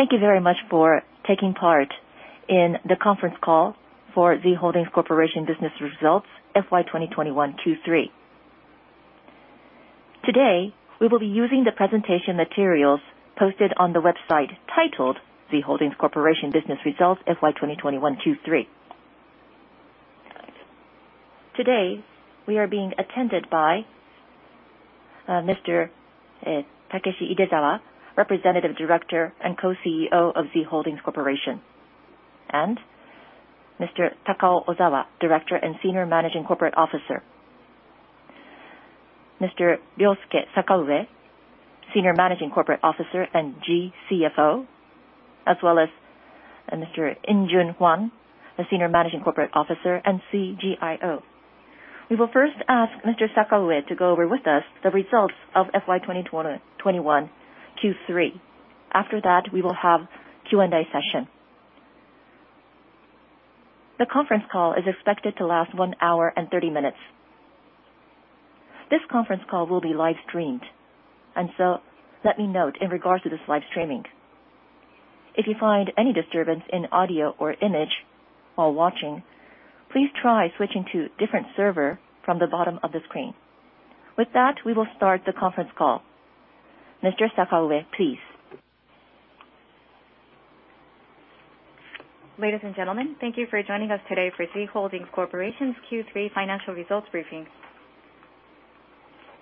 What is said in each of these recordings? Thank you very much for taking part in the conference call for Z Holdings Corporation business results FY 2021 Q3. Today, we will be using the presentation materials posted on the website titled Z Holdings Corporation business results FY 2021 Q3. Today, we are being attended by Mr. Takeshi Idezawa, Representative Director and Co-CEO of Z Holdings Corporation, Mr. Takao Ozawa, Director and Senior Managing Corporate Officer, Mr. Ryosuke Sakaue, Senior Managing Corporate Officer and GCFO, Mr. In Joon Hwang, Senior Managing Corporate Officer and CGIO. We will first ask Mr. Sakaue to go over with us the results of FY 2021 Q3. After that, we will have Q&A session. The conference call is expected to last 1 hour and 30 minutes. This conference call will be live streamed. Let me note in regards to this live streaming, if you find any disturbance in audio or image while watching, please try switching to different server from the bottom of the screen. With that, we will start the conference call. Mr. Sakaue, please. Ladies and gentlemen, thank you for joining us today for Z Holdings Corporation's Q3 financial results briefing.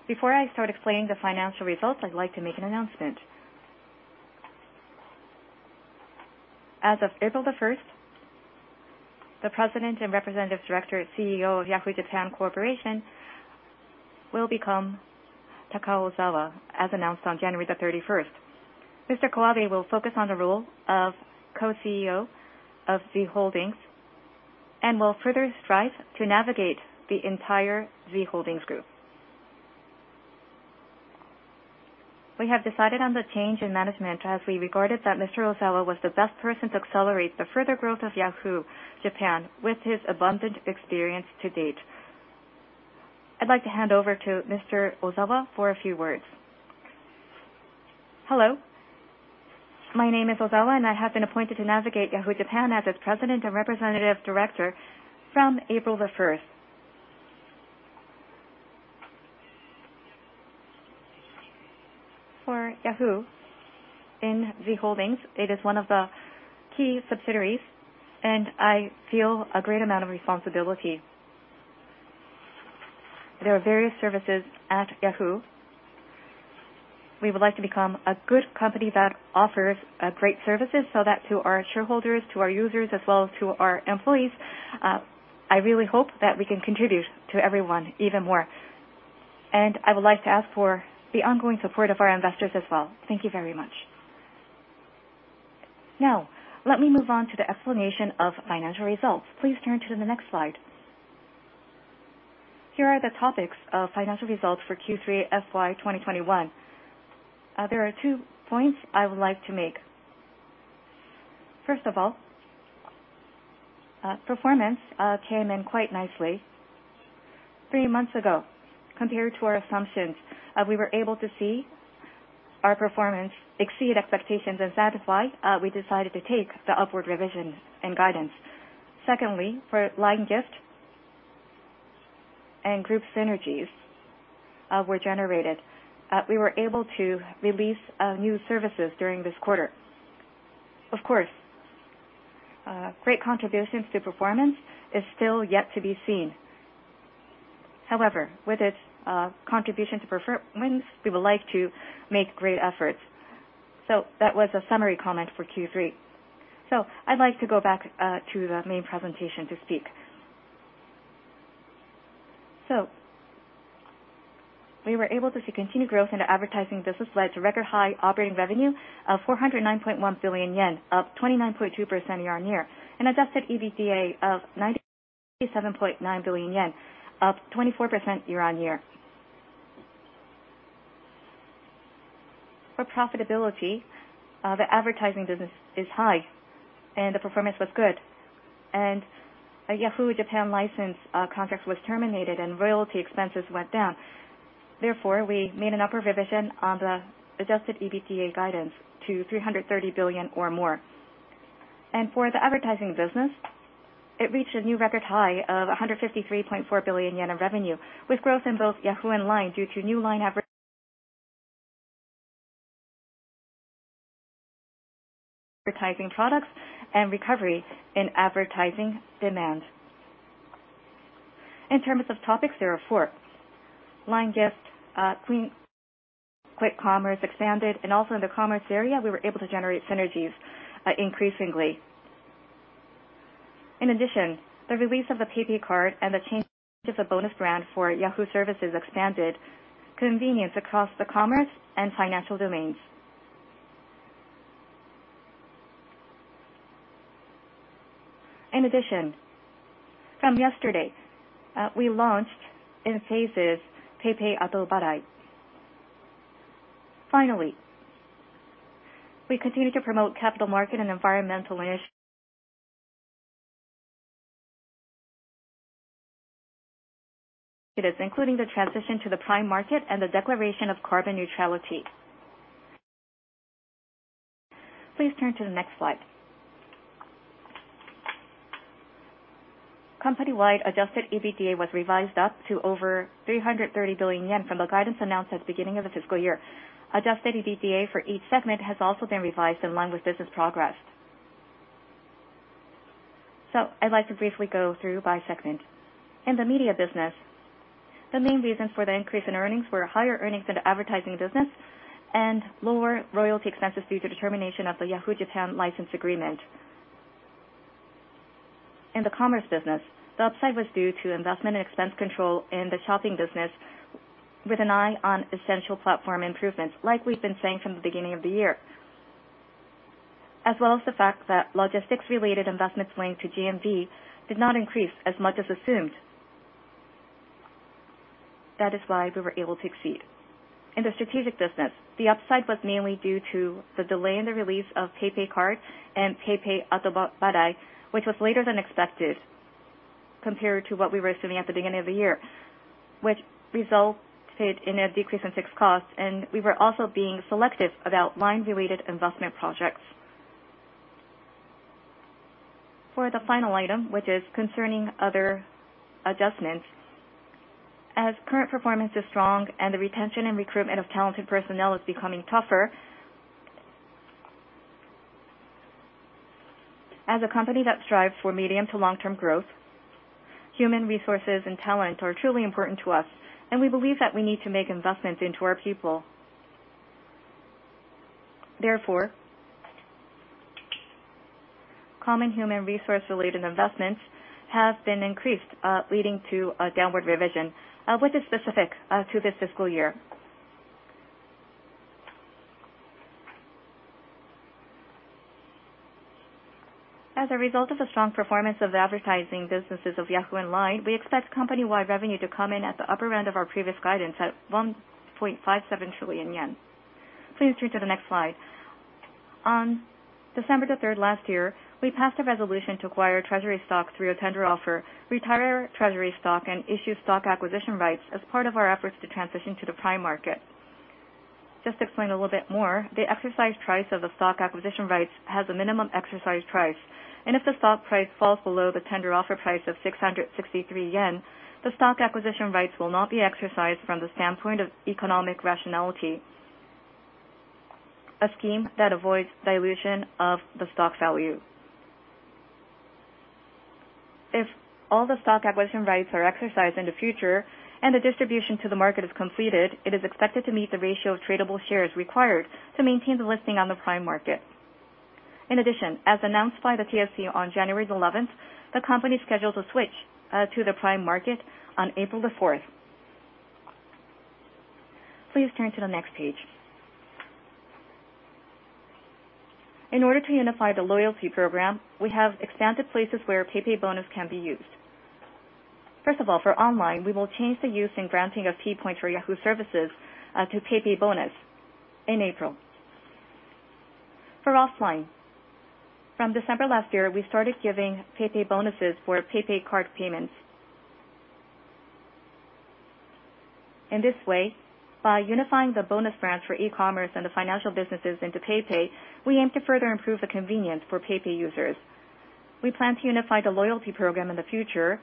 Before I start explaining the financial results, I'd like to make an announcement. As of April 1st, the President and Representative Director, CEO of Yahoo Japan Corporation will become Takao Ozawa, as announced on January 31st. Mr. Kawabe will focus on the role of Co-CEO of Z Holdings and will further strive to navigate the entire Z Holdings group. We have decided on the change in management as we regarded that Mr. Ozawa was the best person to accelerate the further growth of Yahoo Japan with his abundant experience to date. I'd like to hand over to Mr. Ozawa for a few words. Hello. My name is Ozawa, and I have been appointed to navigate Yahoo Japan as its President and Representative Director from April 1st. For Yahoo in Z Holdings, it is one of the key subsidiaries, and I feel a great amount of responsibility. There are various services at Yahoo. We would like to become a good company that offers great services, so that to our shareholders, to our users, as well as to our employees, I really hope that we can contribute to everyone even more. I would like to ask for the ongoing support of our investors as well. Thank you very much. Now, let me move on to the explanation of financial results. Please turn to the next slide. Here are the topics of financial results for Q3 FY 2021. There are two points I would like to make. First of all, performance came in quite nicely. Three months ago, compared to our assumptions, we were able to see our performance exceed expectations and satisfy. We decided to take the upward revision and guidance. Secondly, for LINE Gift and group synergies were generated. We were able to release new services during this quarter. Of course, great contributions to performance is still yet to be seen. However, with its contribution to performance, we would like to make great efforts. That was a summary comment for Q3. I'd like to go back to the main presentation to speak. We were able to see continued growth in the advertising business led to record high operating revenue of 409.1 billion yen, up 29.2% year-on-year, and adjusted EBITDA of 97.9 billion yen, up 24% year-on-year. For profitability, the advertising business is high and the performance was good. A Yahoo Japan license contract was terminated and royalty expenses went down. Therefore, we made an upper revision on the adjusted EBITDA guidance to 330 billion or more. For the advertising business, it reached a new record high of 153.4 billion yen in revenue, with growth in both Yahoo and LINE due to new LINE advertising products and recovery in advertising demand. In terms of topics, there are four. LINE Gift quick commerce expanded, and also in the commerce area, we were able to generate synergies increasingly. In addition, the release of the PayPay Card and the change of the bonus brand for Yahoo services expanded convenience across the commerce and financial domains. In addition, from yesterday, we launched in phases, PayPay. Finally, we continue to promote capital market and environmental initiatives, including the transition to the Prime Market and the declaration of carbon neutrality. Please turn to the next slide. Company-wide adjusted EBITDA was revised up to over 330 billion yen from the guidance announced at the beginning of the fiscal year. Adjusted EBITDA for each segment has also been revised in line with business progress. I'd like to briefly go through by segment. In the media business, the main reasons for the increase in earnings were higher earnings in the advertising business and lower royalty expenses due to termination of the Yahoo Japan license agreement. In the commerce business, the upside was due to investment and expense control in the shopping business, with an eye on essential platform improvements, like we've been saying from the beginning of the year. As well as the fact that logistics related investments linked to GMV did not increase as much as assumed. That is why we were able to exceed. In the strategic business, the upside was mainly due to the delay in the release of PayPay Card and PayPay which was later than expected compared to what we were assuming at the beginning of the year, which resulted in a decrease in fixed costs. We were also being selective about LINE related investment projects. For the final item, which is concerning other adjustments, as current performance is strong and the retention and recruitment of talented personnel is becoming tougher. As a company that strives for medium to long term growth, human resources and talent are truly important to us, and we believe that we need to make investments into our people. Therefore, common human resource related investments have been increased, leading to a downward revision, with the specifics, to this fiscal year. As a result of the strong performance of the advertising businesses of Yahoo and LINE, we expect company-wide revenue to come in at the upper end of our previous guidance at 1.57 trillion yen. Please turn to the next slide. On December the third last year, we passed a resolution to acquire treasury stock through a tender offer, retire treasury stock and issue stock acquisition rights as part of our efforts to transition to the Prime Market. Just to explain a little bit more, the exercise price of the stock acquisition rights has a minimum exercise price, and if the stock price falls below the tender offer price of 663 yen, the stock acquisition rights will not be exercised from the standpoint of economic rationality, a scheme that avoids dilution of the stock value. If all the stock acquisition rights are exercised in the future and the distribution to the market is completed, it is expected to meet the ratio of tradable shares required to maintain the listing on the Prime Market. In addition, as announced by the TSE on January 11th, the company is scheduled to switch to the Prime Market on April 4th. Please turn to the next page. In order to unify the loyalty program, we have expanded places where PayPay Bonus can be used. First of all, for online, we will change the use and granting of T-Point for Yahoo services to PayPay Bonus in April. For offline, from December last year, we started giving PayPay bonuses for PayPay Card payments. In this way, by unifying the bonus brands for e-commerce and the financial businesses into PayPay, we aim to further improve the convenience for PayPay users. We plan to unify the loyalty program in the future,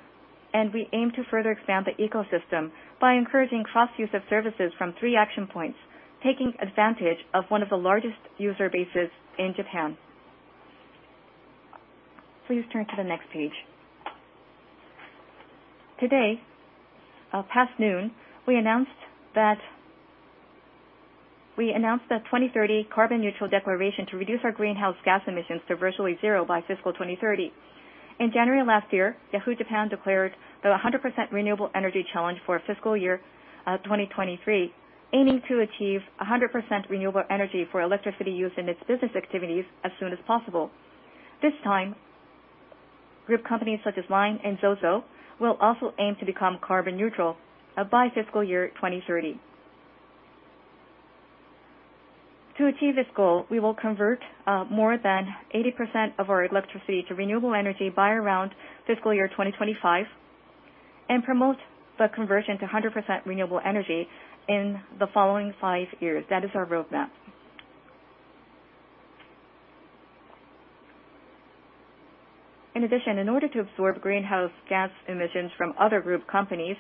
and we aim to further expand the ecosystem by encouraging cross use of services from three action points, taking advantage of one of the largest user bases in Japan. Please turn to the next page. Today, past noon, we announced the 2030 Carbon Neutral Declaration to reduce our greenhouse gas emissions to virtually zero by fiscal 2030. In January last year, Yahoo Japan declared the 100% renewable energy challenge for fiscal year 2023, aiming to achieve 100% renewable energy for electricity use in its business activities as soon as possible. This time, group companies such as LINE and ZOZO will also aim to become carbon neutral by fiscal year 2030. To achieve this goal, we will convert more than 80% of our electricity to renewable energy by around fiscal year 2025 and promote the conversion to 100% renewable energy in the following five years. That is our roadmap. In addition, in order to absorb greenhouse gas emissions from other group companies,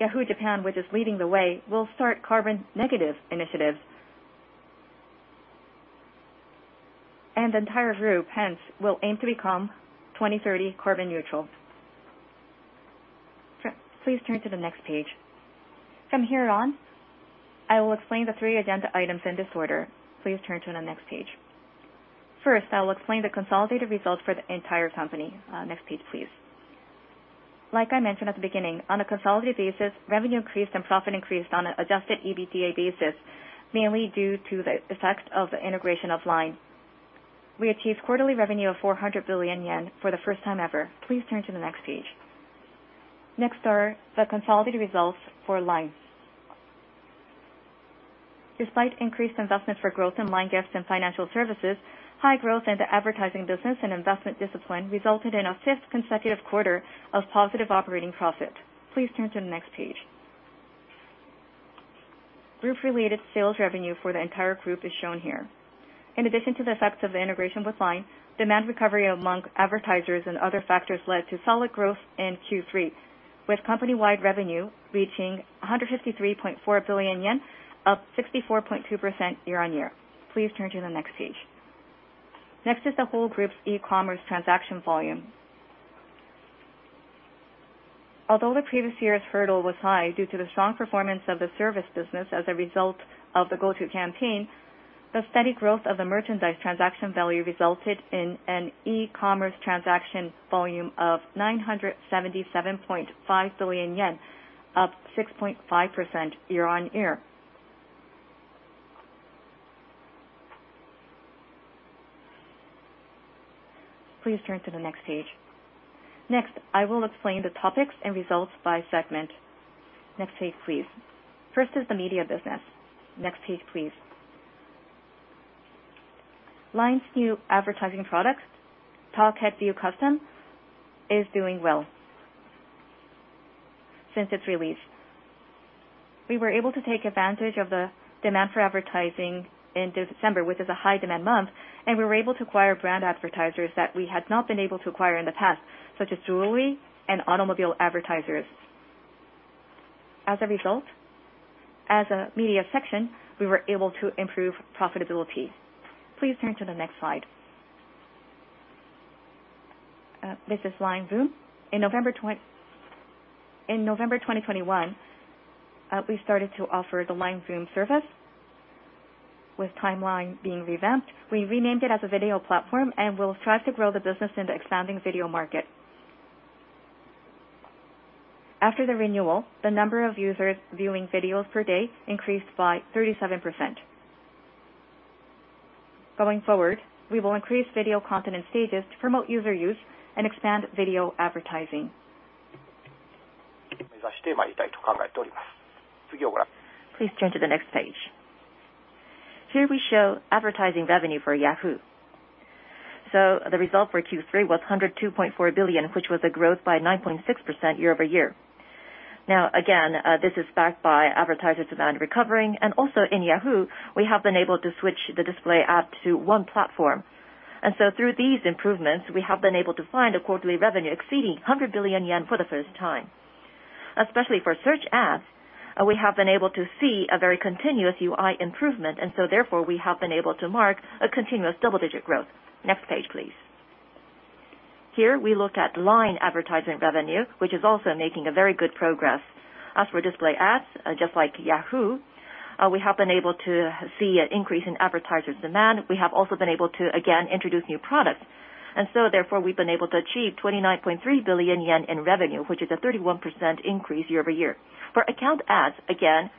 Yahoo Japan, which is leading the way, will start carbon negative initiatives. The entire group, hence, will aim to become 2030 carbon neutral. Please turn to the next page. From here on, I will explain the three agenda items in this order. Please turn to the next page. First, I will explain the consolidated results for the entire company. Next page, please. Like I mentioned at the beginning, on a consolidated basis, revenue increased and profit increased on an adjusted EBITDA basis, mainly due to the effects of the integration of LINE. We achieved quarterly revenue of 400 billion yen for the first time ever. Please turn to the next page. Next are the consolidated results for LINE. Despite increased investment for growth in LINE Gift and financial services, high growth in the advertising business and investment discipline resulted in our fifth consecutive quarter of positive operating profit. Please turn to the next page. Group-related sales revenue for the entire group is shown here. In addition to the effects of the integration with LINE, demand recovery among advertisers and other factors led to solid growth in Q3, with company-wide revenue reaching 153.4 billion yen, up 64.2% year-on-year. Please turn to the next page. Next is the whole group's e-commerce transaction volume. Although the previous year's hurdle was high due to the strong performance of the service business as a result of the Go To campaign, the steady growth of the merchandise transaction value resulted in an e-commerce transaction volume of 977.5 billion yen, up 6.5% year-on-year. Please turn to the next page. Next, I will explain the topics and results by segment. Next page, please. First is the media business. Next page, please. LINE's new advertising product, Talk Head View Custom, is doing well since its release. We were able to take advantage of the demand for advertising in December, which is a high demand month, and we were able to acquire brand advertisers that we had not been able to acquire in the past, such as jewelry and automobile advertisers. As a result, as a media section, we were able to improve profitability. Please turn to the next slide. This is LINE Voom. In November 2021, we started to offer the LINE Voom service. With Timeline being revamped, we renamed it as a video platform and will strive to grow the business in the expanding video market. After the renewal, the number of users viewing videos per day increased by 37%. Going forward, we will increase video content stages to promote user use and expand video advertising. Please turn to the next page. Here we show advertising revenue for Yahoo. The result for Q3 was 102.4 billion, which was a growth by 9.6% year-over-year. Now, again, this is backed by advertisers' demand recovering, and also in Yahoo, we have been able to switch the display ad to one platform. Through these improvements, we have been able to find a quarterly revenue exceeding 100 billion yen for the first time. Especially for search ads, we have been able to see a very continuous UI improvement, and so therefore, we have been able to mark a continuous double-digit growth. Next page, please. Here, we look at LINE advertising revenue, which is also making very good progress. As for display ads, just like Yahoo, we have been able to see an increase in advertisers' demand. We have also been able to again introduce new products. Therefore, we've been able to achieve 29.3 billion yen in revenue, which is a 31% increase year-over-year. For account ads, again,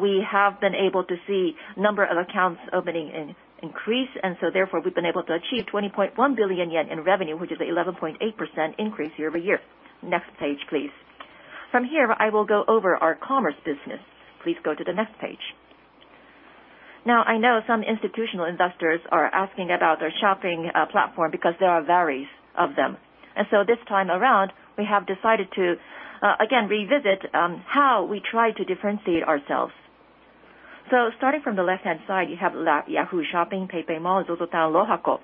we have been able to see number of accounts opening increase, and so therefore, we've been able to achieve 20.1 billion yen in revenue, which is an 11.8% increase year-over-year. Next page, please. From here, I will go over our commerce business. Please go to the next page. Now, I know some institutional investors are asking about their shopping platform because there are varieties of them. This time around, we have decided to again revisit how we try to differentiate ourselves. Starting from the left-hand side, you have Yahoo! Shopping, PayPay Mall, ZOZOTOWN, LOHACO.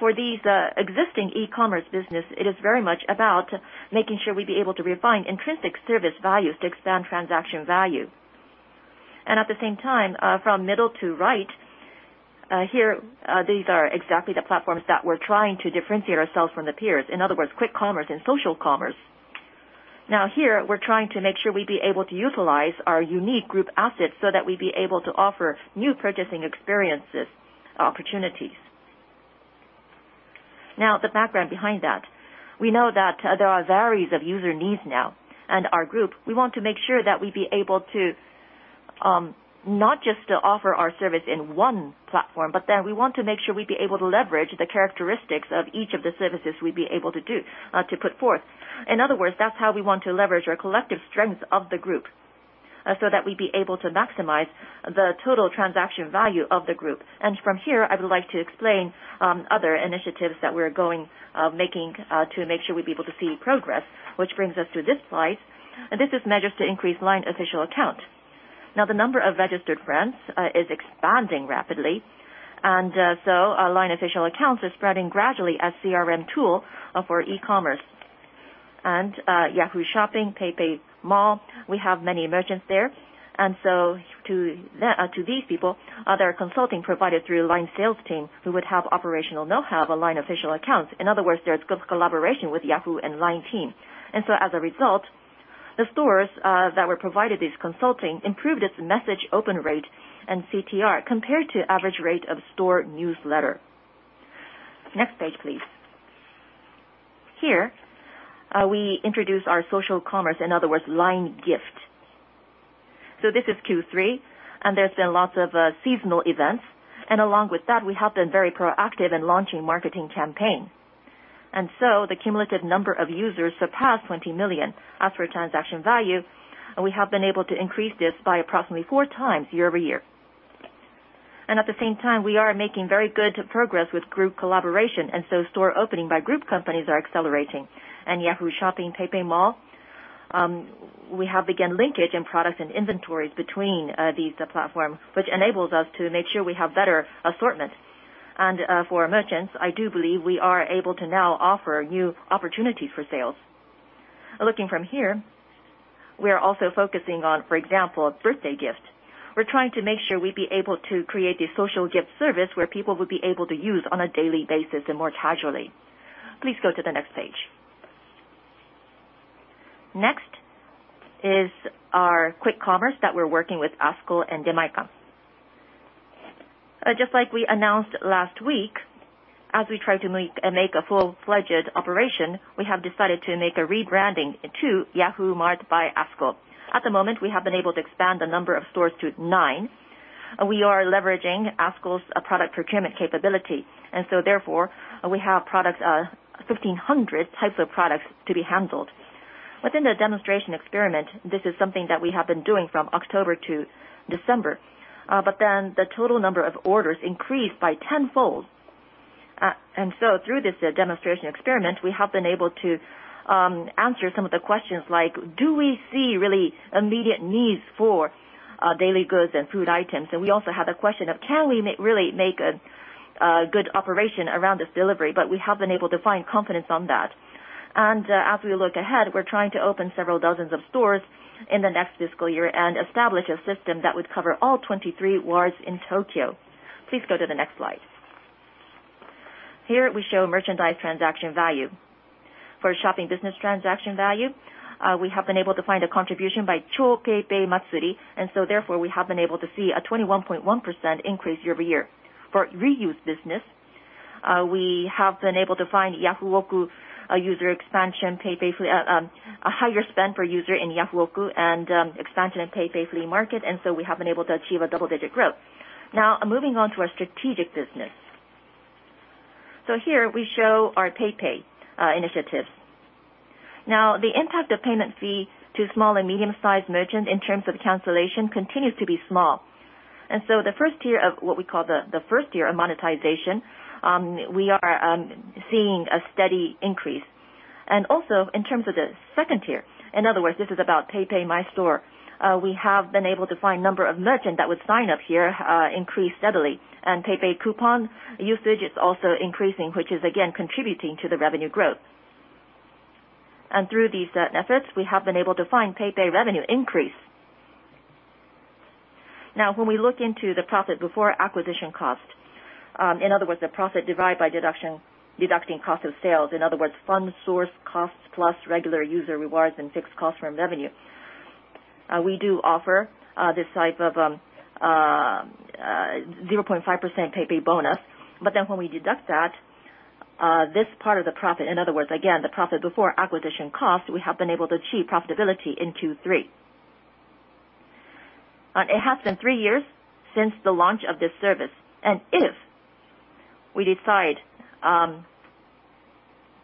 For these existing e-commerce business, it is very much about making sure we'd be able to refine intrinsic service values to expand transaction value. At the same time, from middle to right, here, these are exactly the platforms that we're trying to differentiate ourselves from the peers. In other words, quick commerce and social commerce. Now here, we're trying to make sure we'd be able to utilize our unique group assets so that we'd be able to offer new purchasing experiences, opportunities. Now, the background behind that, we know that there are various of user needs now. Our group, we want to make sure that we'd be able to, not just offer our service in one platform, but that we want to make sure we'd be able to leverage the characteristics of each of the services we'd be able to do, to put forth. In other words, that's how we want to leverage our collective strengths of the group, so that we'd be able to maximize the total transaction value of the group. From here, I would like to explain other initiatives that we're making to make sure we'd be able to see progress, which brings us to this slide. This is measures to increase LINE Official Account. Now, the number of registered brands is expanding rapidly. Our LINE Official Accounts is spreading gradually as CRM tool for e-commerce. Yahoo! Shopping, PayPay Mall, we have many merchants there. To these people, consulting provided through LINE sales team who would have operational know-how of LINE Official Accounts. In other words, there's good collaboration with Yahoo and LINE team. As a result, the stores that were provided this consulting improved its message open rate and CTR compared to average rate of store newsletter. Next page, please. Here, we introduce our social commerce, in other words, LINE Gift. This is Q3, and there's been lots of seasonal events. Along with that, we have been very proactive in launching marketing campaign. The cumulative number of users surpassed 20 million. As for transaction value, we have been able to increase this by approximately four times year-over-year. At the same time, we are making very good progress with group collaboration, and so store opening by group companies are accelerating. Yahoo Shopping, PayPay Mall, we have begun linkage in products and inventories between these, the platform, which enables us to make sure we have better assortment. For merchants, I do believe we are able to now offer new opportunities for sales. Looking from here, we are also focusing on, for example, birthday gifts. We're trying to make sure we'd be able to create a social gift service where people would be able to use on a daily basis and more casually. Please go to the next page. Next is our quick commerce that we're working with ASKUL and Demae-can. Just like we announced last week, as we try to make a full-fledged operation, we have decided to make a rebranding to Yahoo! Mart by ASKUL. At the moment, we have been able to expand the number of stores to nine. We are leveraging ASKUL's product procurement capability, and so therefore, we have products, 1,500 types of products to be handled. Within the demonstration experiment, this is something that we have been doing from October to December. The total number of orders increased by tenfold. Through this demonstration experiment, we have been able to answer some of the questions like, "Do we see really immediate needs for daily goods and food items?" We also have a question of, "Can we really make a good operation around this delivery?" We have been able to find confidence on that. As we look ahead, we're trying to open several dozens of stores in the next fiscal year and establish a system that would cover all 23 wards in Tokyo. Please go to the next slide. Here, we show merchandise transaction value. For shopping business transaction value, we have been able to find a contribution by Cho PayPay Matsuri, and so therefore, we have been able to see a 21.1% increase year-over-year. For resale business, we have been able to find Yahoo! Auctions, a user expansion PayPay, a higher spend per user in Yahoo! Auctions, and expansion in PayPay Flea Market, and so we have been able to achieve a double-digit growth. Now, moving on to our strategic business. Here, we show our PayPay initiatives. Now, the impact of payment fee to small and medium-sized merchants in terms of the cancellation continues to be small. The first tier of what we call the first year of monetization, we are seeing a steady increase. In terms of the second tier, in other words, this is about PayPay My Store, we have been able to find number of merchant that would sign up here, increase steadily. PayPay Coupon usage is also increasing, which is again contributing to the revenue growth. Through these methods, we have been able to find PayPay revenue increase. Now, when we look into the profit before acquisition cost, in other words, the profit divided by deduction, deducting cost of sales, in other words, fund source costs plus regular user rewards and fixed costs from revenue, we do offer this type of 0.5% PayPay Bonus. When we deduct that, this part of the profit, in other words, again, the profit before acquisition cost, we have been able to achieve profitability in two, three. It has been three years since the launch of this service. If we decide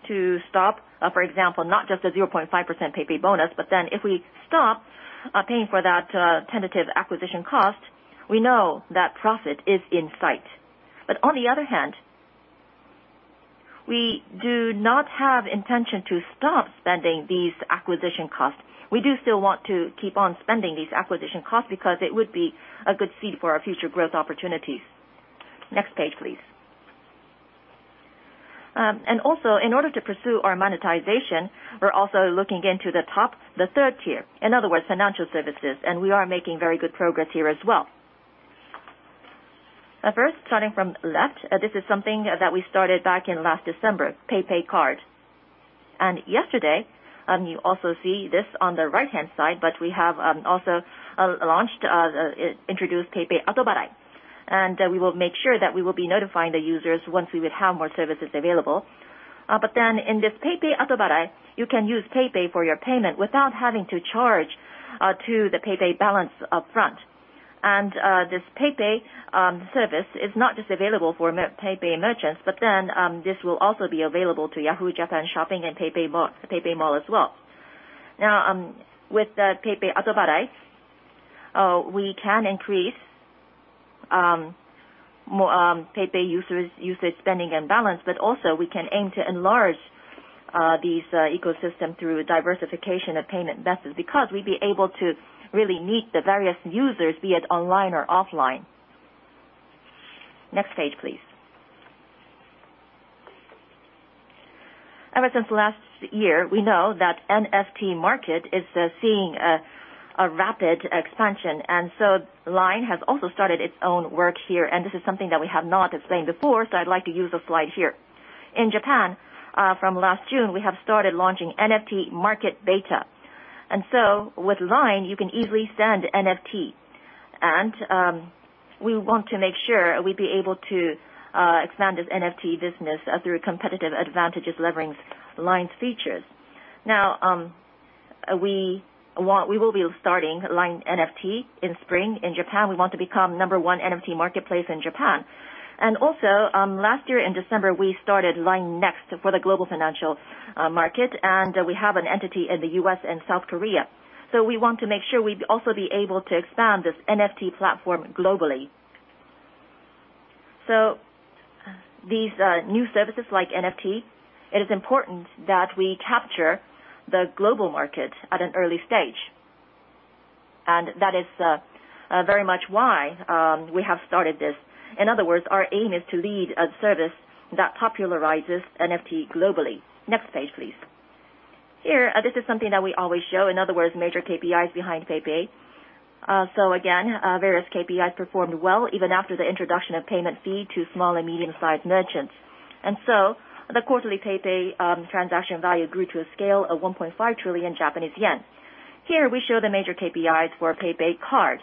to stop, for example, not just a 0.5% PayPay Bonus, but then if we stop paying for that tentative acquisition cost, we know that profit is in sight. On the other hand, we do not have intention to stop spending these acquisition costs. We do still want to keep on spending these acquisition costs because it would be a good seed for our future growth opportunities. Next page, please. In order to pursue our monetization, we're also looking into the top, the third tier, in other words, financial services, and we are making very good progress here as well. First starting from left, this is something that we started back in last December, PayPay Card. Yesterday, you also see this on the right-hand side, but we have also introduced PayPay Atobarai. We will make sure that we will be notifying the users once we would have more services available. In this PayPay Atobarai, you can use PayPay for your payment without having to charge to the PayPay balance upfront. This PayPay service is not just available for PayPay merchants, but then this will also be available to Yahoo! Shopping and PayPay Mall as well. Now, with the PayPay Atobarai, we can increase PayPay users' usage spending and balance, but also we can aim to enlarge this ecosystem through diversification of payment methods because we'd be able to really meet the various users, be it online or offline. Next page, please. Ever since last year, we know that NFT market is seeing a rapid expansion. LINE has also started its own work here. This is something that we have not explained before, so I'd like to use a slide here. In Japan, from last June, we have started launching NFT market beta. With LINE, you can easily send NFT. We want to make sure we'd be able to expand this NFT business through competitive advantages leveraging LINE's features. We will be starting LINE NFT in spring in Japan. We want to become number one NFT marketplace in Japan. Last year in December, we started LINE NEXT for the global financial market, and we have an entity in the U.S. and South Korea. We want to make sure we'd be able to expand this NFT platform globally. These new services like NFT, it is important that we capture the global market at an early stage, and that is very much why we have started this. In other words, our aim is to lead a service that popularizes NFT globally. Next page, please. Here, this is something that we always show, in other words, major KPIs behind PayPay. Again, various KPIs performed well even after the introduction of payment fee to small and medium-sized merchants. The quarterly PayPay transaction value grew to a scale of 1.5 trillion Japanese yen. Here we show the major KPIs for PayPay Card.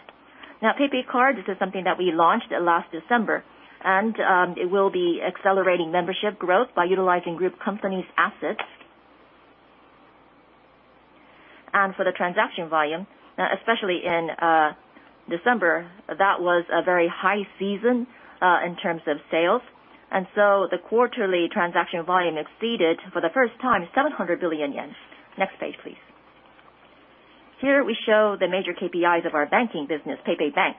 Now, PayPay Card, this is something that we launched last December, and it will be accelerating membership growth by utilizing group company's assets. For the transaction volume, especially in December, that was a very high season in terms of sales, the quarterly transaction volume exceeded for the first time 700 billion yen. Next page, please. Here we show the major KPIs of our banking business, PayPay Bank.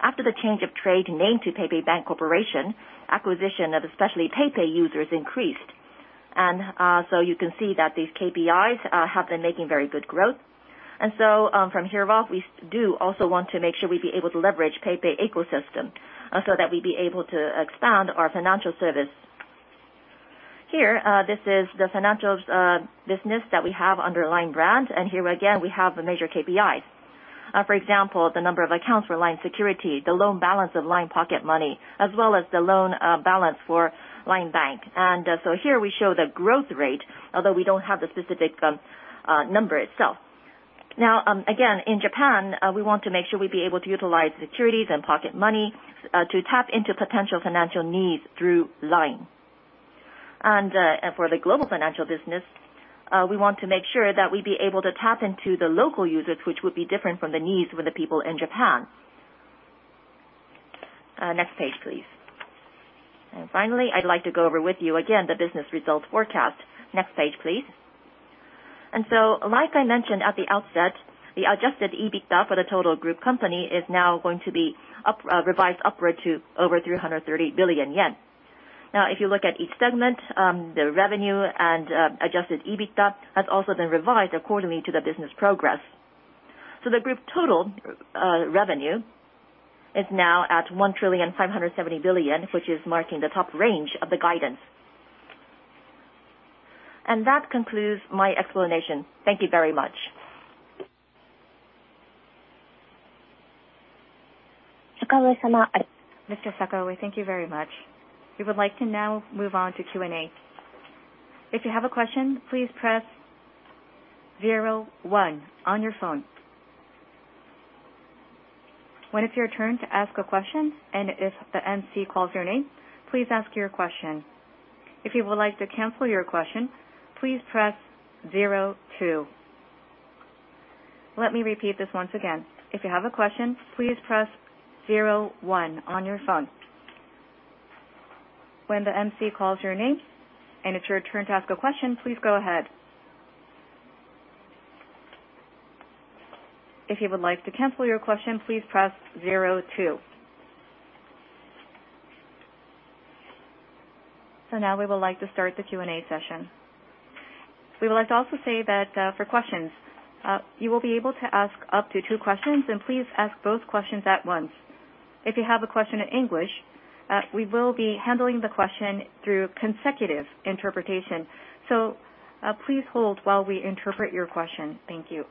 After the change of trade name to PayPay Bank Corporation, acquisition of especially PayPay users increased. You can see that these KPIs have been making very good growth. From hereby, we do also want to make sure we'd be able to leverage PayPay ecosystem that we'd be able to expand our financial service. Here, this is the financial business that we have under LINE brand, and here again we have the major KPIs. For example, the number of accounts for LINE Securities, the loan balance of LINE Pocket Money, as well as the loan balance for LINE Bank. Here we show the growth rate, although we don't have the specific number itself. Now, again, in Japan, we want to make sure we'd be able to utilize securities and Pocket Money to tap into potential financial needs through LINE. For the global financial business, we want to make sure that we'd be able to tap into the local users, which would be different from the needs with the people in Japan. Next page, please. Finally, I'd like to go over with you again the business result forecast. Next page, please. Like I mentioned at the outset, the adjusted EBITDA for the total group company is now going to be up, revised upward to over 330 billion yen. Now, if you look at each segment, the revenue and adjusted EBITDA has also been revised accordingly to the business progress. The group total revenue is now at 1,570 billion, which is marking the top range of the guidance. That concludes my explanation. Thank you very much. Mr. Sakaue, we thank you very much. We would like to now move on to Q&A. If you have a question, please press zero one on your phone. When it's your turn to ask a question, and if the MC calls your name, please ask your question. If you would like to cancel your question, please press zero two. Let me repeat this once again. If you have a question, please press zero one on your phone. When the MC calls your name and it's your turn to ask a question, please go ahead. If you would like to cancel your question, please press zero two. Now we would like to start the Q&A session. We would like to also say that, for questions, you will be able to ask up to two questions, and please ask both questions at once. If you have a question in English, we will be handling the question through consecutive interpretation. Please hold while we interpret your question. Thank you.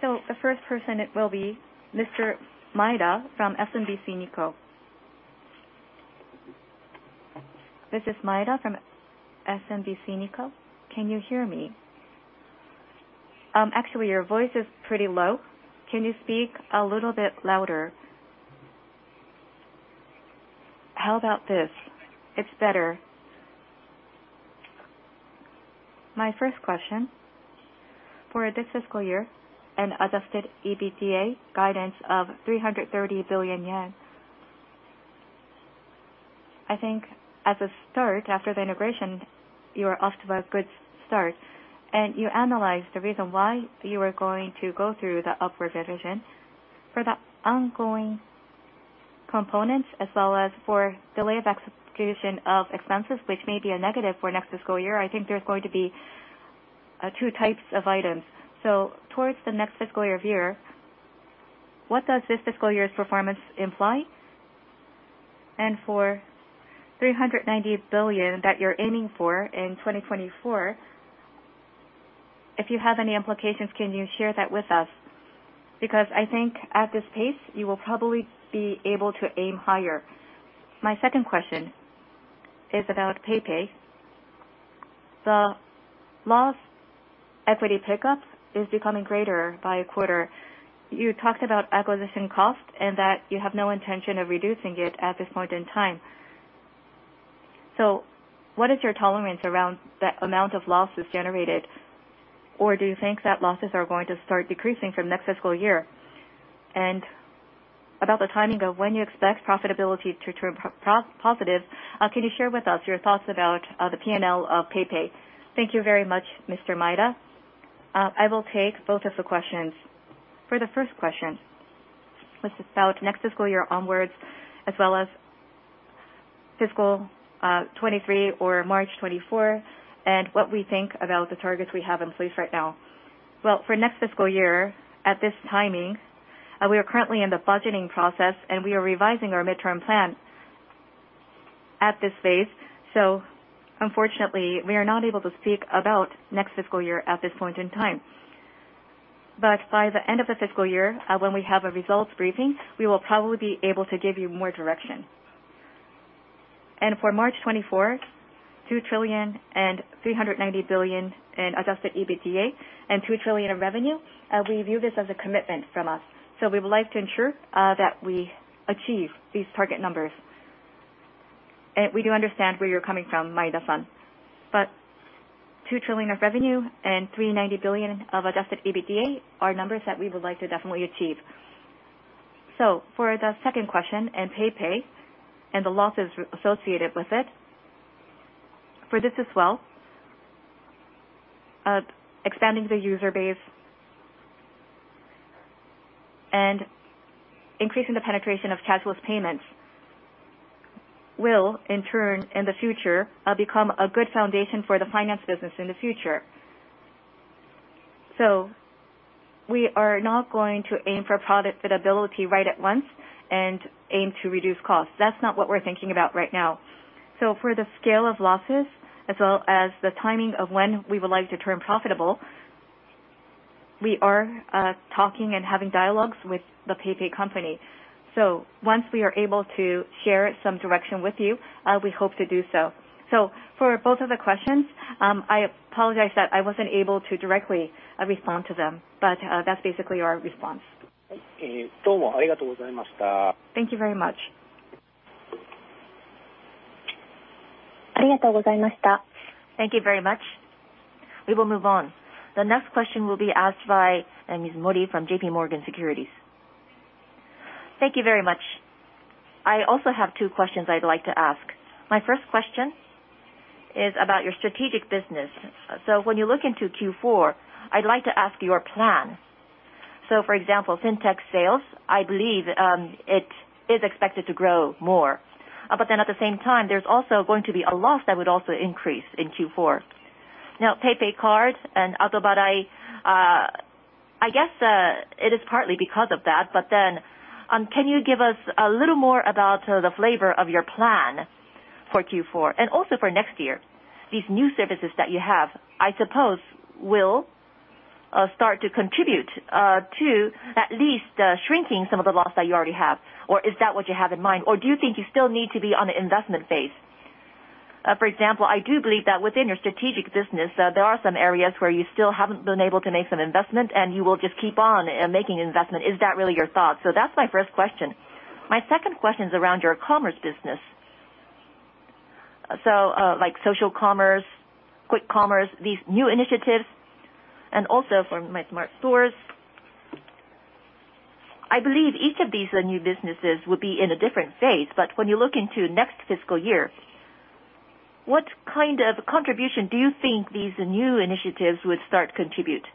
The first person, it will be Mr. Maeda from SMBC Nikko. This is Maeda from SMBC Nikko. Can you hear me? Actually, your voice is pretty low. Can you speak a little bit louder? How about this? It's better. My first question, for this fiscal year, an adjusted EBITDA guidance of 330 billion yen. I think as a start, after the integration, you are off to a good start, and you analyzed the reason why you are going to go through the upward revision. For the ongoing components as well as for delay of execution of expenses, which may be a negative for next fiscal year, I think there's going to be two types of items. Towards the next fiscal year view, what does this fiscal year's performance imply? For 390 billion that you're aiming for in 2024, if you have any implications, can you share that with us? Because I think at this pace, you will probably be able to aim higher. My second question is about PayPay. The loss equity pickup is becoming greater by quarter. You talked about acquisition cost and that you have no intention of reducing it at this point in time. What is your tolerance around the amount of losses generated, or do you think that losses are going to start decreasing from next fiscal year? About the timing of when you expect profitability to turn positive, can you share with us your thoughts about the P&L of PayPay? Thank you very much, Mr. Maeda. I will take both of the questions. For the first question, which is about next fiscal year onwards, as well as fiscal 2023 or March 2024, and what we think about the targets we have in place right now. Well, for next fiscal year, at this timing, we are currently in the budgeting process, and we are revising our midterm plan at this phase. Unfortunately, we are not able to speak about next fiscal year at this point in time. By the end of the fiscal year, when we have a results briefing, we will probably be able to give you more direction. For March 2024, 2.39 trillion in adjusted EBITDA and 2 trillion in revenue, we view this as a commitment from us, so we would like to ensure that we achieve these target numbers. We do understand where you're coming from, Maeda-san, but 2 trillion of revenue and 390 billion of adjusted EBITDA are numbers that we would like to definitely achieve. For the second question, PayPay and the losses associated with it, for this as well, expanding the user base and increasing the penetration of cashless payments will, in turn, in the future, become a good foundation for the finance business in the future. We are not going to aim for product profitability right at once and aim to reduce costs. That's not what we're thinking about right now. For the scale of losses as well as the timing of when we would like to turn profitable, we are talking and having dialogues with the PayPay Company. Once we are able to share some direction with you, we hope to do so. For both of the questions, I apologize that I wasn't able to directly respond to them, but that's basically our response. Thank you very much. Thank you very much. We will move on. The next question will be asked by Ms. Mori from JPMorgan Securities. Thank you very much. I also have two questions I'd like to ask. My first question is about your strategic business. When you look into Q4, I'd like to ask your plan. For example, FinTech sales, I believe, it is expected to grow more. At the same time, there's also going to be a loss that would also increase in Q4. Now, PayPay Card and PayPay Atobarai, I guess, it is partly because of that, but then, can you give us a little more about the flavor of your plan for Q4 and also for next year? These new services that you have, I suppose, will start to contribute to at least shrinking some of the loss that you already have. Is that what you have in mind? Do you think you still need to be on an investment phase? For example, I do believe that within your strategic business, there are some areas where you still haven't been able to make some investment, and you will just keep on making investment. Is that really your thought? That's my first question. My second question is around your commerce business. Like social commerce, quick commerce, these new initiatives, and also for MySmartStore. I believe each of these new businesses will be in a different phase, but when you look into next fiscal year, what kind of contribution do you think these new initiatives would start contribute?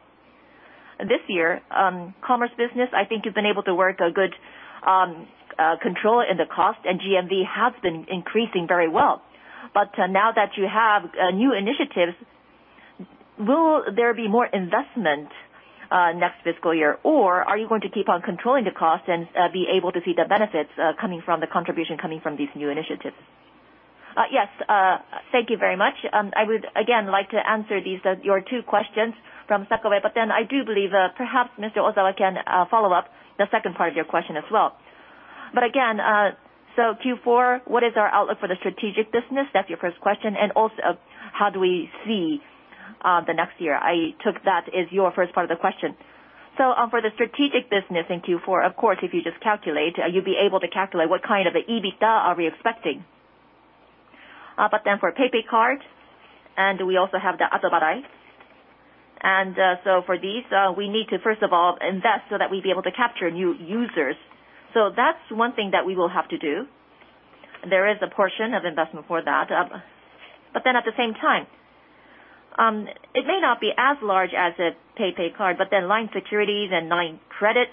This year, commerce business, I think you've been able to have good control in the cost, and GMV has been increasing very well. Now that you have new initiatives, will there be more investment next fiscal year, or are you going to keep on controlling the cost and be able to see the benefits coming from the contribution coming from these new initiatives? Yes. Thank you very much. I would again like to answer these, your two questions from Sakaue, but then I do believe perhaps Mr. Ozawa can follow up the second part of your question as well. Q4, what is our outlook for the strategic business? That's your first question. How do we see the next year? I took that as your first part of the question. For the strategic business in Q4, of course, if you just calculate, you'll be able to calculate what kind of EBITDA we are expecting. For PayPay Card, and we also have the Atobarai. For these, we need to first of all invest so that we'll be able to capture new users. That's one thing that we will have to do. There is a portion of investment for that. At the same time, it may not be as large as a PayPay Card, but then LINE Securities and LINE Credit,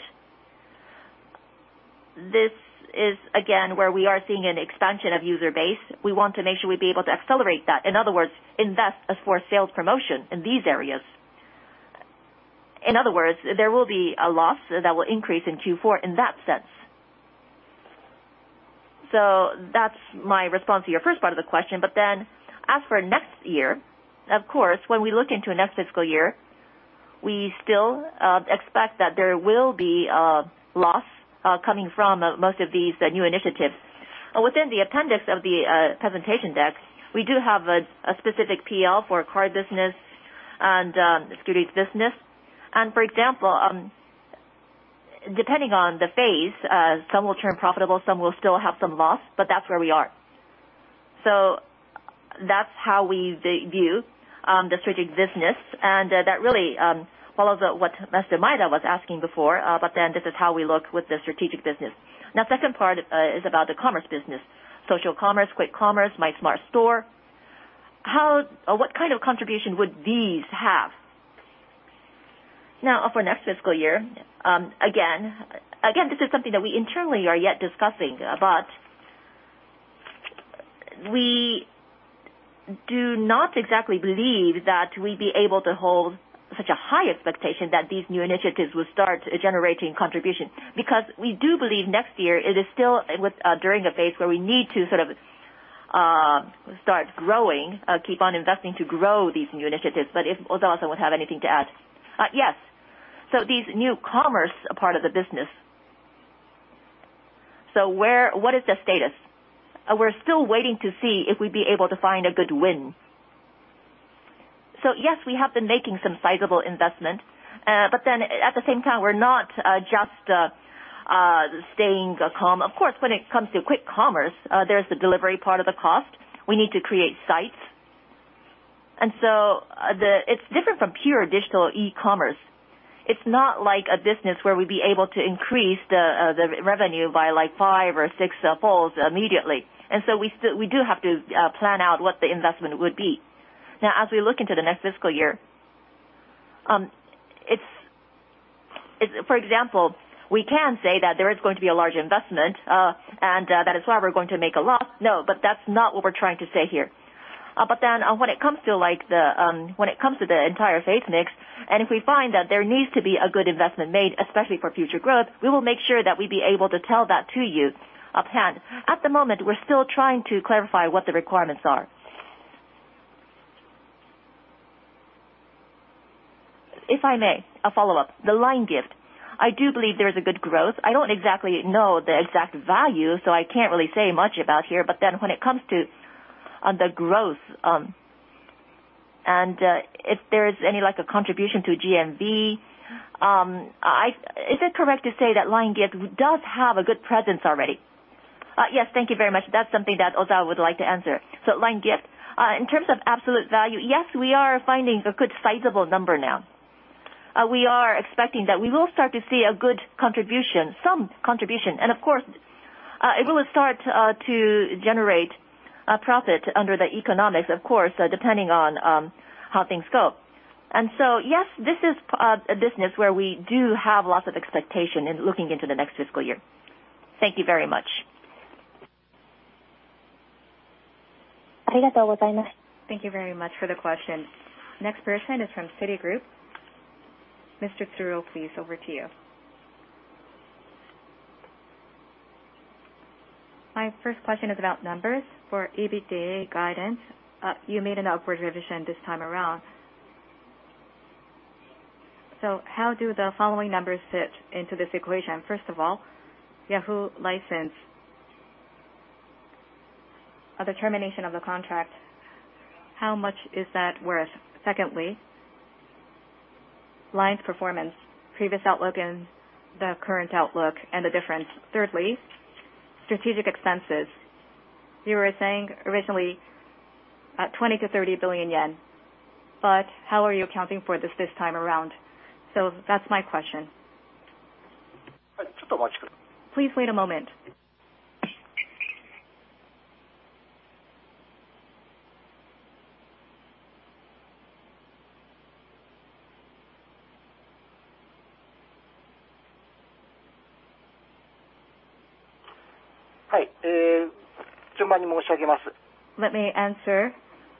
this is again where we are seeing an expansion of user base. We want to make sure we'll be able to accelerate that. In other words, invest as for sales promotion in these areas. In other words, there will be a loss that will increase in Q4 in that sense. That's my response to your first part of the question, but then as for next year, of course, when we look into next fiscal year. We still expect that there will be loss coming from most of these new initiatives. Within the appendix of the presentation deck, we do have a specific PL for card business and strategic business. For example, depending on the phase, some will turn profitable, some will still have some loss, but that's where we are. That's how we view the strategic business, and that really follows what Mr. Maeda was asking before, but this is how we look with the strategic business. Now, second part is about the commerce business, social commerce, quick commerce, MySmartStore. How or what kind of contribution would these have? Now for next fiscal year, again, this is something that we internally are yet discussing, but we do not exactly believe that we'd be able to hold such a high expectation that these new initiatives will start generating contribution. Because we do believe next year it is still during a phase where we need to sort of start growing, keep on investing to grow these new initiatives. If Ozawa would have anything to add. Yes. These new commerce part of the business. What is the status? We're still waiting to see if we'd be able to find a good win. Yes, we have been making some sizable investment. Then at the same time, we're not just staying calm. Of course, when it comes to quick commerce, there's the delivery part of the cost. We need to create sites. It's different from pure digital e-commerce. It's not like a business where we'd be able to increase the revenue by like five or six folds immediately. We still do have to plan out what the investment would be. Now, as we look into the next fiscal year, it's, for example, we can say that there is going to be a large investment and that is why we're going to make a loss. No, but that's not what we're trying to say here. When it comes to the entire phase mix, and if we find that there needs to be a good investment made, especially for future growth, we will make sure that we'd be able to tell that to you upfront. At the moment, we're still trying to clarify what the requirements are. If I may, a follow-up. The LINE Gift. I do believe there is a good growth. I don't exactly know the exact value, so I can't really say much about here. When it comes to the growth, and if there is any, like, a contribution to GMV, is it correct to say that LINE Gift does have a good presence already? Yes. Thank you very much. That's something that Ozawa would like to answer. LINE Gift, in terms of absolute value, yes, we are finding a good sizable number now. We are expecting that we will start to see a good contribution, some contribution. Of course, it will start to generate profit under the economics, of course, depending on how things go. Yes, this is a business where we do have lots of expectation in looking into the next fiscal year. Thank you very much. Thank you very much for the question. Next person is from Citigroup. Mr. Tsuru, please, over to you. My first question is about numbers for EBITDA guidance. You made an upward revision this time around. How do the following numbers fit into this equation? First of all, Yahoo license. The termination of the contract, how much is that worth? Secondly, LINE's performance, previous outlook and the current outlook and the difference. Thirdly, strategic expenses. You were saying originally, 20 billion-30 billion yen, but how are you accounting for this time around? That's my question. Please wait a moment. Let me answer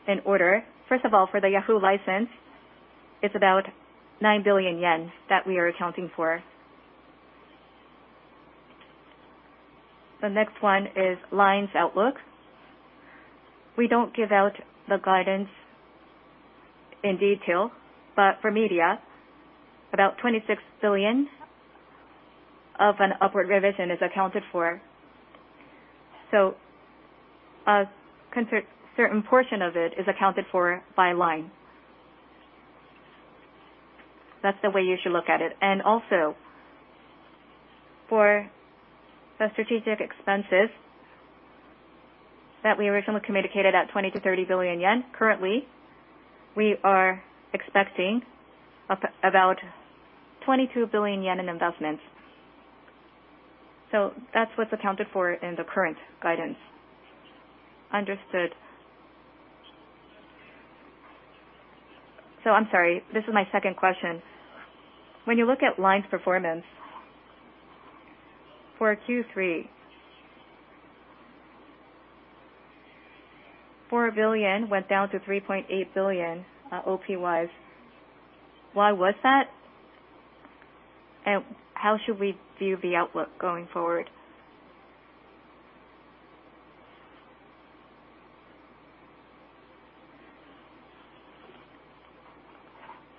in order. First of all, for the Yahoo license, it's about 9 billion yen that we are accounting for. The next one is LINE's outlook. We don't give out the guidance in detail, but for media, about 26 billion of an upward revision is accounted for. A certain portion of it is accounted for by LINE. That's the way you should look at it. Also, for the strategic expenses that we originally communicated at 20 billion-30 billion yen, currently, we are expecting about 22 billion yen in investments. That's what's accounted for in the current guidance. Understood. I'm sorry, this is my second question. When you look at LINE's performance for Q3, 4 billion went down to 3.8 billion, OP wise. Why was that? And how should we view the outlook going forward?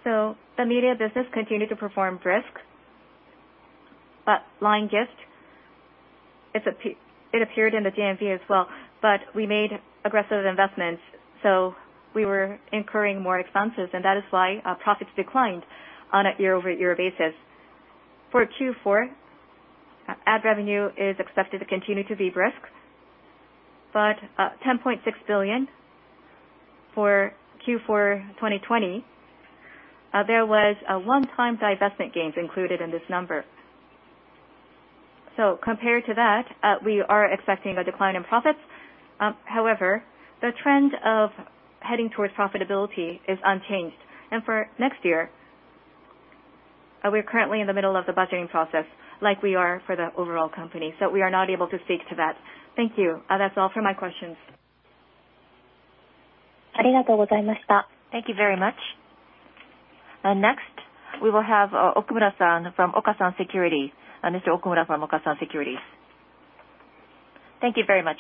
The media business continued to perform briskly. But LINE Gift, it appeared in the GMV as well, but we made aggressive investments, so we were incurring more expenses, and that is why profits declined on a year-over-year basis. For Q4, ad revenue is expected to continue to be briskly, but JPY 10.6 Billion. For Q4 2020, there was a one-time divestment gains included in this number. So compared to that, we are expecting a decline in profits. However, the trend of heading towards profitability is unchanged. For next year, we're currently in the middle of the budgeting process like we are for the overall company, so we are not able to speak to that. Thank you. That's all for my questions. Thank you very much. Next, we will have Okumura from Okasan Securities. Mr. Okumura from Okasan Securities. Thank you very much.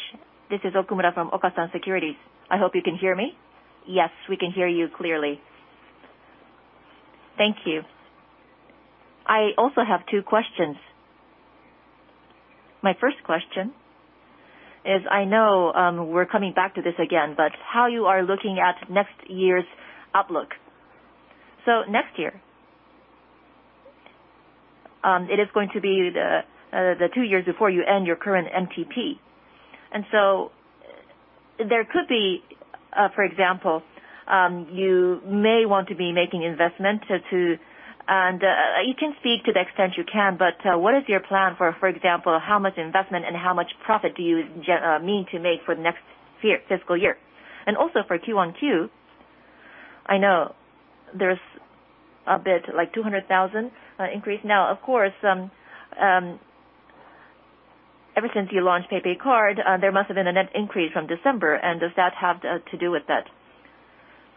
This is Okumura from Okasan Securities. I hope you can hear me. Yes, we can hear you clearly. Thank you. I also have two questions. My first question is, I know, we're coming back to this again, but how you are looking at next year's outlook. Next year, it is going to be the two years before you end your current MTP. There could be, for example, you may want to be making investment. You can speak to the extent you can, but what is your plan for example, how much investment and how much profit do you mean to make for the next year, fiscal year? Also for Q-on-Q, I know there's a bit, like 200,000 increase. Now, of course, ever since you launched PayPay Card, there must have been a net increase from December and does that have to do with that?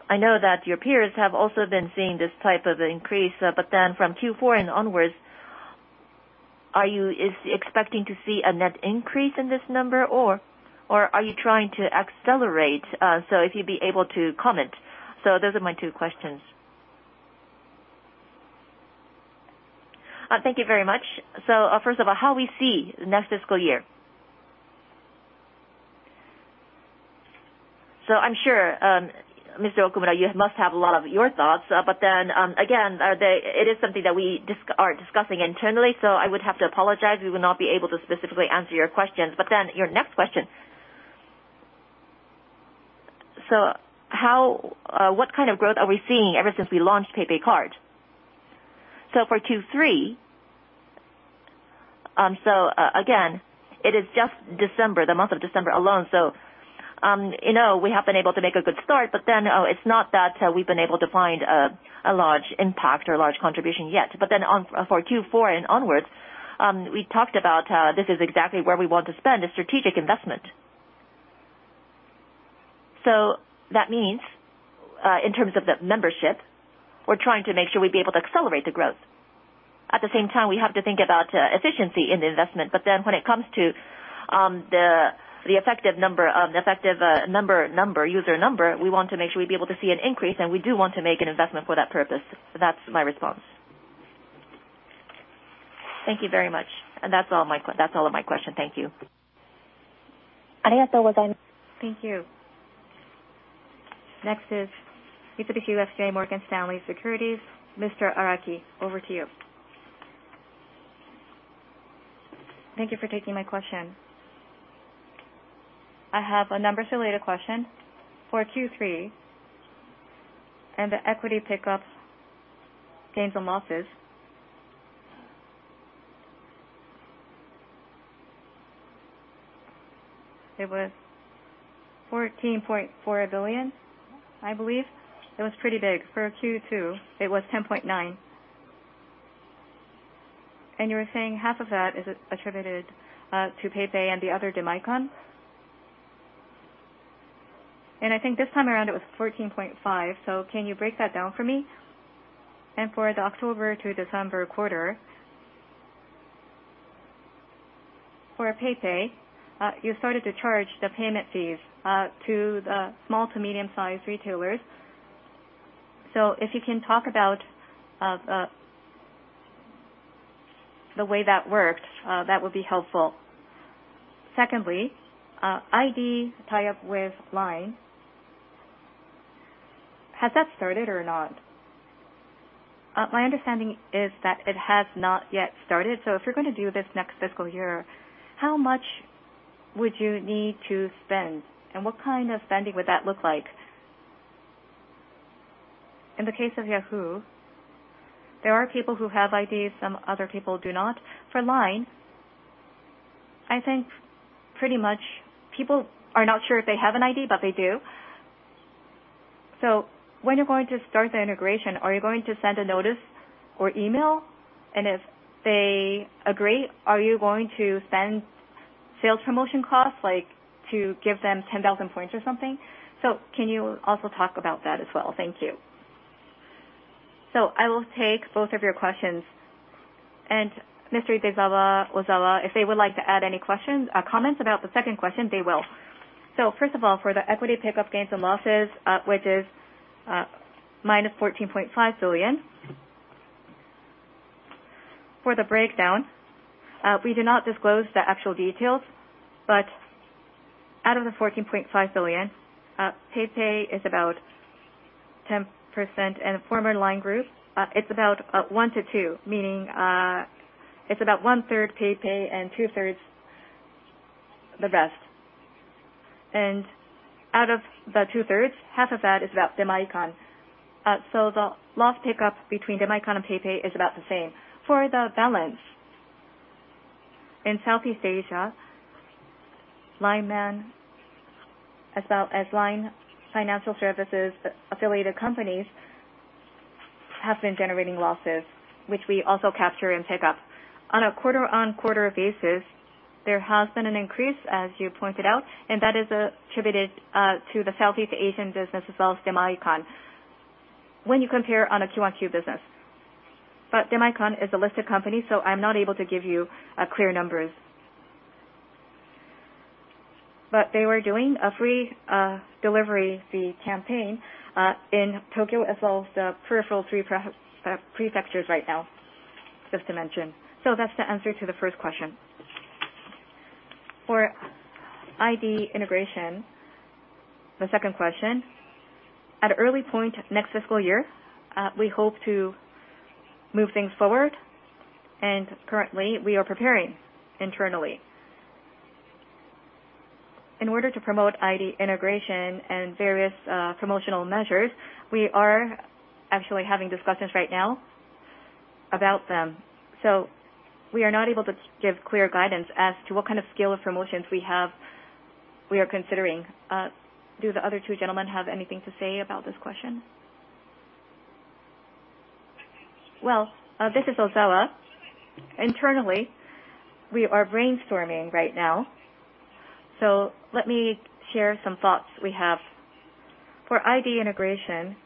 I know that your peers have also been seeing this type of increase, but then from Q4 and onwards, are you expecting to see a net increase in this number or are you trying to accelerate? If you'd be able to comment. Those are my two questions. Thank you very much. First of all, how we see next fiscal year. I'm sure, Mr. Okumura, you must have a lot of your thoughts, but then, again, it is something that we are discussing internally, so I would have to apologize. We will not be able to specifically answer your questions. Your next question. What kind of growth are we seeing ever since we launched PayPay Card? For Q3, again, it is just December, the month of December alone. You know, we have been able to make a good start, but then it's not that we've been able to find a large impact or large contribution yet. For Q4 and onwards, we talked about this is exactly where we want to spend a strategic investment. That means, in terms of the membership, we're trying to make sure we'd be able to accelerate the growth. At the same time, we have to think about efficiency in the investment. when it comes to the effective user number, we want to make sure we'd be able to see an increase, and we do want to make an investment for that purpose. That's my response. Thank you very much. That's all of my question. Thank you. Thank you. Next is Mitsubishi UFJ Morgan Stanley Securities. Mr. Araki, over to you. Thank you for taking my question. I have a numbers-related question. For Q3 and the equity pickups, gains, and losses. It was 14.4 billion, I believe. It was pretty big. For Q2, it was 10.9 billion. You were saying half of that is attributed to PayPay and the other to Maicon? I think this time around it was 14.5 billion, so can you break that down for me? For the October to December quarter, for PayPay, you started to charge the payment fees to the small to medium-sized retailers. If you can talk about the way that worked, that would be helpful. Secondly, ID tie-up with LINE, has that started or not? My understanding is that it has not yet started. If you're going to do this next fiscal year, how much would you need to spend, and what kind of spending would that look like? In the case of Yahoo, there are people who have IDs, some other people do not. For LINE, I think pretty much people are not sure if they have an ID, but they do. When you're going to start the integration, are you going to send a notice or email? And if they agree, are you going to send sales promotion costs, like to give them 10,000 points or something? Can you also talk about that as well? Thank you. I will take both of your questions. Mr. Ozawa, Ozawa, if they would like to add any question, comments about the second question, they will. First of all, for the equity pickup gains and losses, which is minus 14.5 billion. For the breakdown, we do not disclose the actual details, but out of the 14.5 billion, PayPay is about 10%, and former LINE group, it's about 1-2. Meaning, it's about 1/3 PayPay and 2/3 the rest. Out of the 2/3, half of that is about Demae-can. So the loss pickup between Demae-can and PayPay is about the same. For the balance, in Southeast Asia, LINE MAN as well as LINE Financial Services affiliated companies have been generating losses, which we also capture in pickup. On a quarter-on-quarter basis, there has been an increase, as you pointed out, and that is attributed to the Southeast Asian business as well as Demae-can when you compare on a Q-on-Q basis. Demae-can is a listed company, so I'm not able to give you clear numbers. They were doing a free delivery fee campaign in Tokyo as well as the peripheral three prefectures right now, just to mention. That's the answer to the first question. For ID integration, the second question, at early point next fiscal year, we hope to move things forward, and currently we are preparing internally. In order to promote ID integration and various promotional measures, we are actually having discussions right now about them. We are not able to give clear guidance as to what kind of scale of promotions we have, we are considering. Do the other two gentlemen have anything to say about this question? This is Ozawa. Internally, we are brainstorming right now, so let me share some thoughts we have. For ID integration,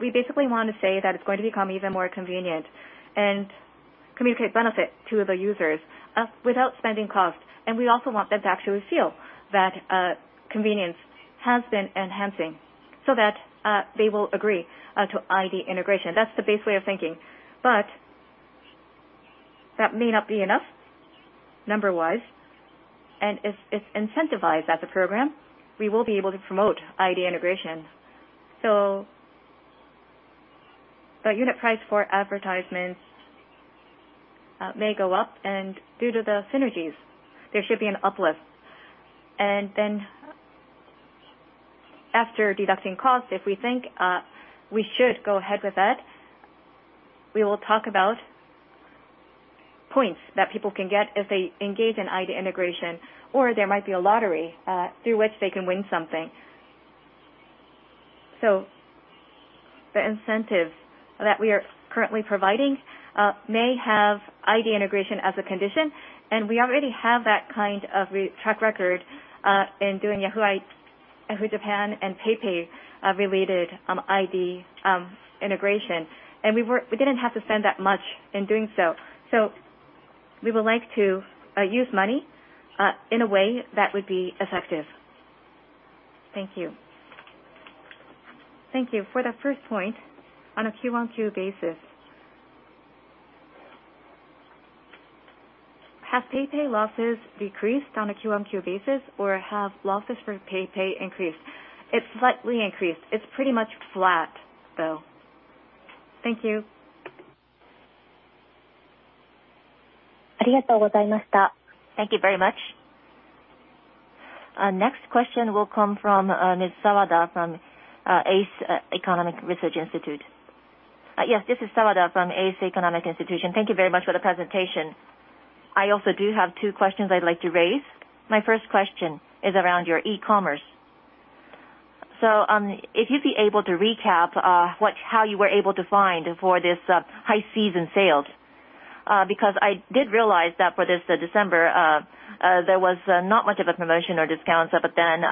we basically want to say that it's going to become even more convenient and communicate benefit to the users, without spending costs. We also want them to actually feel that, convenience has been enhancing so that, they will agree, to ID integration. That's the base way of thinking. That may not be enough number wise. If it's incentivized as a program, we will be able to promote ID integration. The unit price for advertisements, may go up and due to the synergies, there should be an uplift. Then after deducting costs, if we think, we should go ahead with that, we will talk about points that people can get if they engage in ID integration, or there might be a lottery, through which they can win something. The incentives that we are currently providing may have ID integration as a condition, and we already have that kind of track record in doing Yahoo! Japan and PayPay related ID integration. We didn't have to spend that much in doing so. We would like to use money in a way that would be effective. Thank you. For the first point, on a Q-on-Q basis, have PayPay losses decreased on a Q-on-Q basis or have losses for PayPay increased? It's slightly increased. It's pretty much flat, though. Thank you. Thank you very much. Next question will come from Ms. Sawada from Ace Economic Research Institute. Yes, this is Sawada from Ace Economic Research Institute. Thank you very much for the presentation. I also do have two questions I'd like to raise. My first question is around your e-commerce. If you'd be able to recap what how you were able to find for this high season sales. Because I did realize that for this December there was not much of a promotion or discounts, but then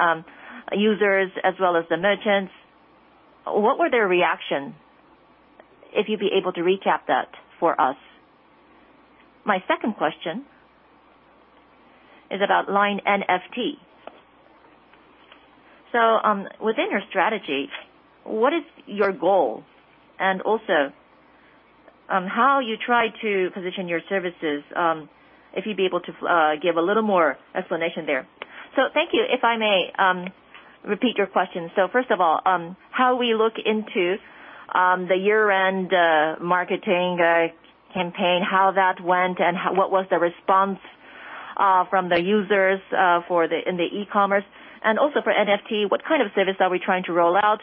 users as well as the merchants, what were their reaction, if you'd be able to recap that for us? My second question is about LINE NFT. Within your strategy, what is your goal? And also, how you try to position your services, if you'd be able to give a little more explanation there. Thank you. If I may, repeat your question. First of all, how we look into the year-end marketing campaign, how that went, and what was the response from the users in the e-commerce? And also for NFT, what kind of service are we trying to roll out?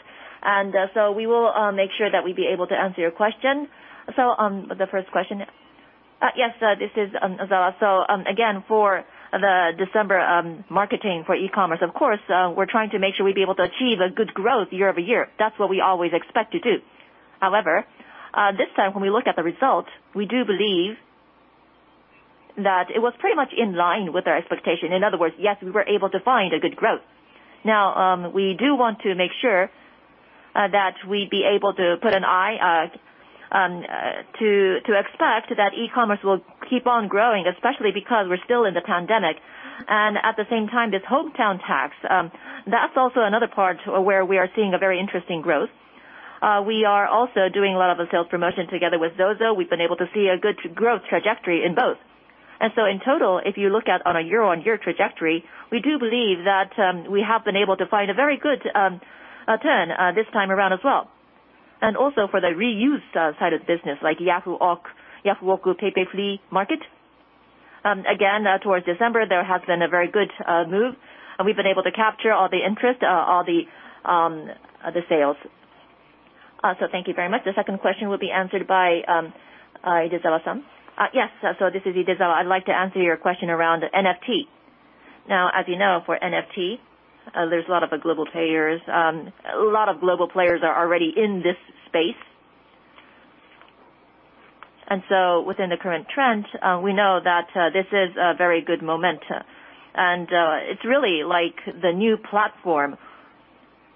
We will make sure that we'd be able to answer your question. The first question. Yes, this is Ozawa. Again, for the December marketing for e-commerce, of course, we're trying to make sure we'd be able to achieve a good growth year-over-year. That's what we always expect to do. However, this time when we look at the results, we do believe- That it was pretty much in line with our expectation. In other words, yes, we were able to find a good growth. Now, we do want to make sure that we'd be able to keep an eye on to expect that e-commerce will keep on growing, especially because we're still in the pandemic. At the same time, this hometown tax, that's also another part where we are seeing a very interesting growth. We are also doing a lot of the sales promotion together with ZOZO. We've been able to see a good growth trajectory in both. In total, if you look at on a year-on-year trajectory, we do believe that we have been able to find a very good upturn this time around as well. For the used side of the business, like Yahoo! Auctions, Yahoo! Auctions PayPay Flea Market. Again, towards December, there has been a very good move, and we've been able to capture all the interest, all the sales. Also, thank you very much. The second question will be answered by Idezawa. Yes. This is Idezawa. I'd like to answer your question around NFT. Now, as you know, for NFT, there's a lot of global players already in this space. Within the current trend, we know that this is a very good momentum. It's really like the new platform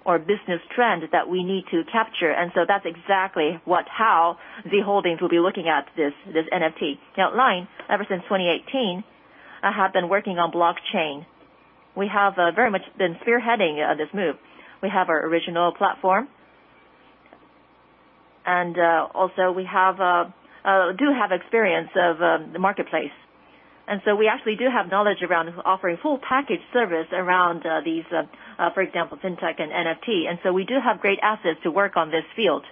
or business trend that we need to capture. That's exactly what, how Z Holdings will be looking at this NFT. Now, LINE, ever since 2018, have been working on blockchain. We have very much been spearheading this move. We have our original platform. Also we have experience of the marketplace. We actually do have knowledge around offering full package service around these, for example, fintech and NFT. We do have great assets to work on this field.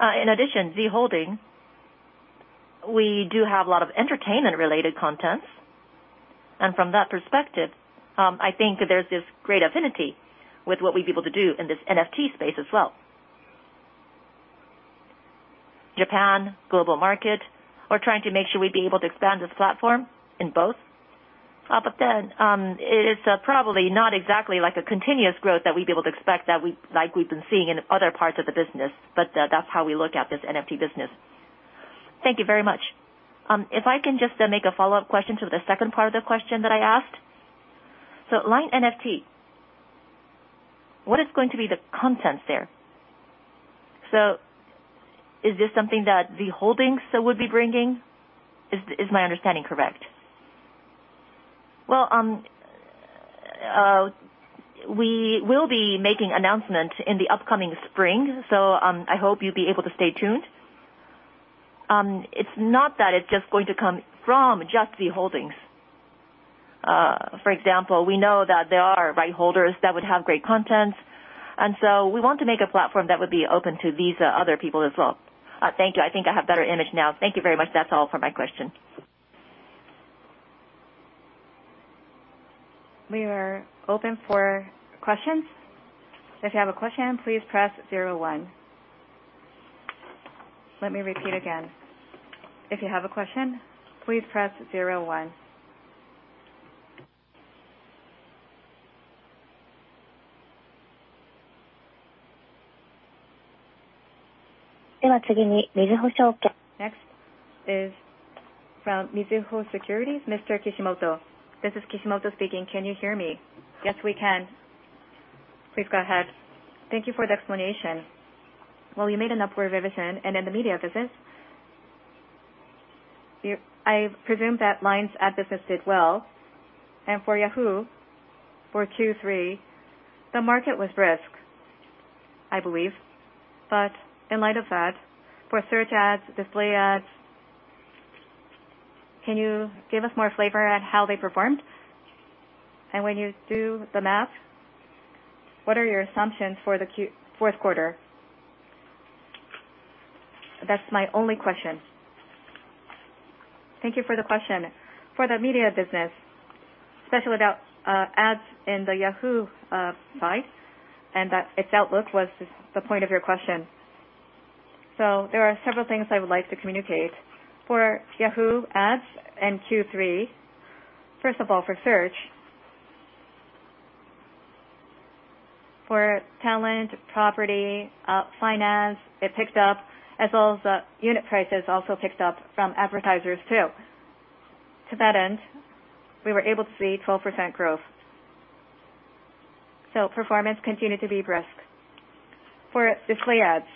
In addition, Z Holdings, we do have a lot of entertainment related content. From that perspective, I think there's this great affinity with what we'd be able to do in this NFT space as well. Japan, global market. We're trying to make sure we'd be able to expand this platform in both. It is probably not exactly like a continuous growth that we'd be able to expect that we've like been seeing in other parts of the business, but that's how we look at this NFT business. Thank you very much. If I can just make a follow-up question to the second part of the question that I asked. LINE NFT, what is going to be the content there? Is this something that Z Holdings would be bringing? Is my understanding correct? We will be making announcement in the upcoming spring, I hope you'll be able to stay tuned. It's not that it's just going to come from just Z Holdings. For example, we know that there are right holders that would have great content. We want to make a platform that would be open to these other people as well. Thank you. I think I have better image now. Thank you very much. That's all for my question. We are open for questions. If you have a question, please press zero one. Let me repeat again. If you have a question, please press zero one. Next is from Mizuho Securities, Mr. Kishimoto. This is Kishimoto speaking. Can you hear me? Yes, we can. Please go ahead. Thank you for the explanation. Well, you made an upward revision in the media business. I presume that LINE's ad business did well. For Yahoo, for Q3, the market was risky, I believe. In light of that, for search ads, display ads, can you give us more flavor on how they performed? When you do the math, what are your assumptions for the fourth quarter? That's my only question. Thank you for the question. For the media business, especially about ads in the Yahoo site, and that its outlook was the point of your question. There are several things I would like to communicate. For Yahoo ads in Q3, first of all, for search, for talent, property, finance, it picked up as well as the unit prices also picked up from advertisers too. To that end, we were able to see 12% growth. Performance continued to be brisk. For display ads.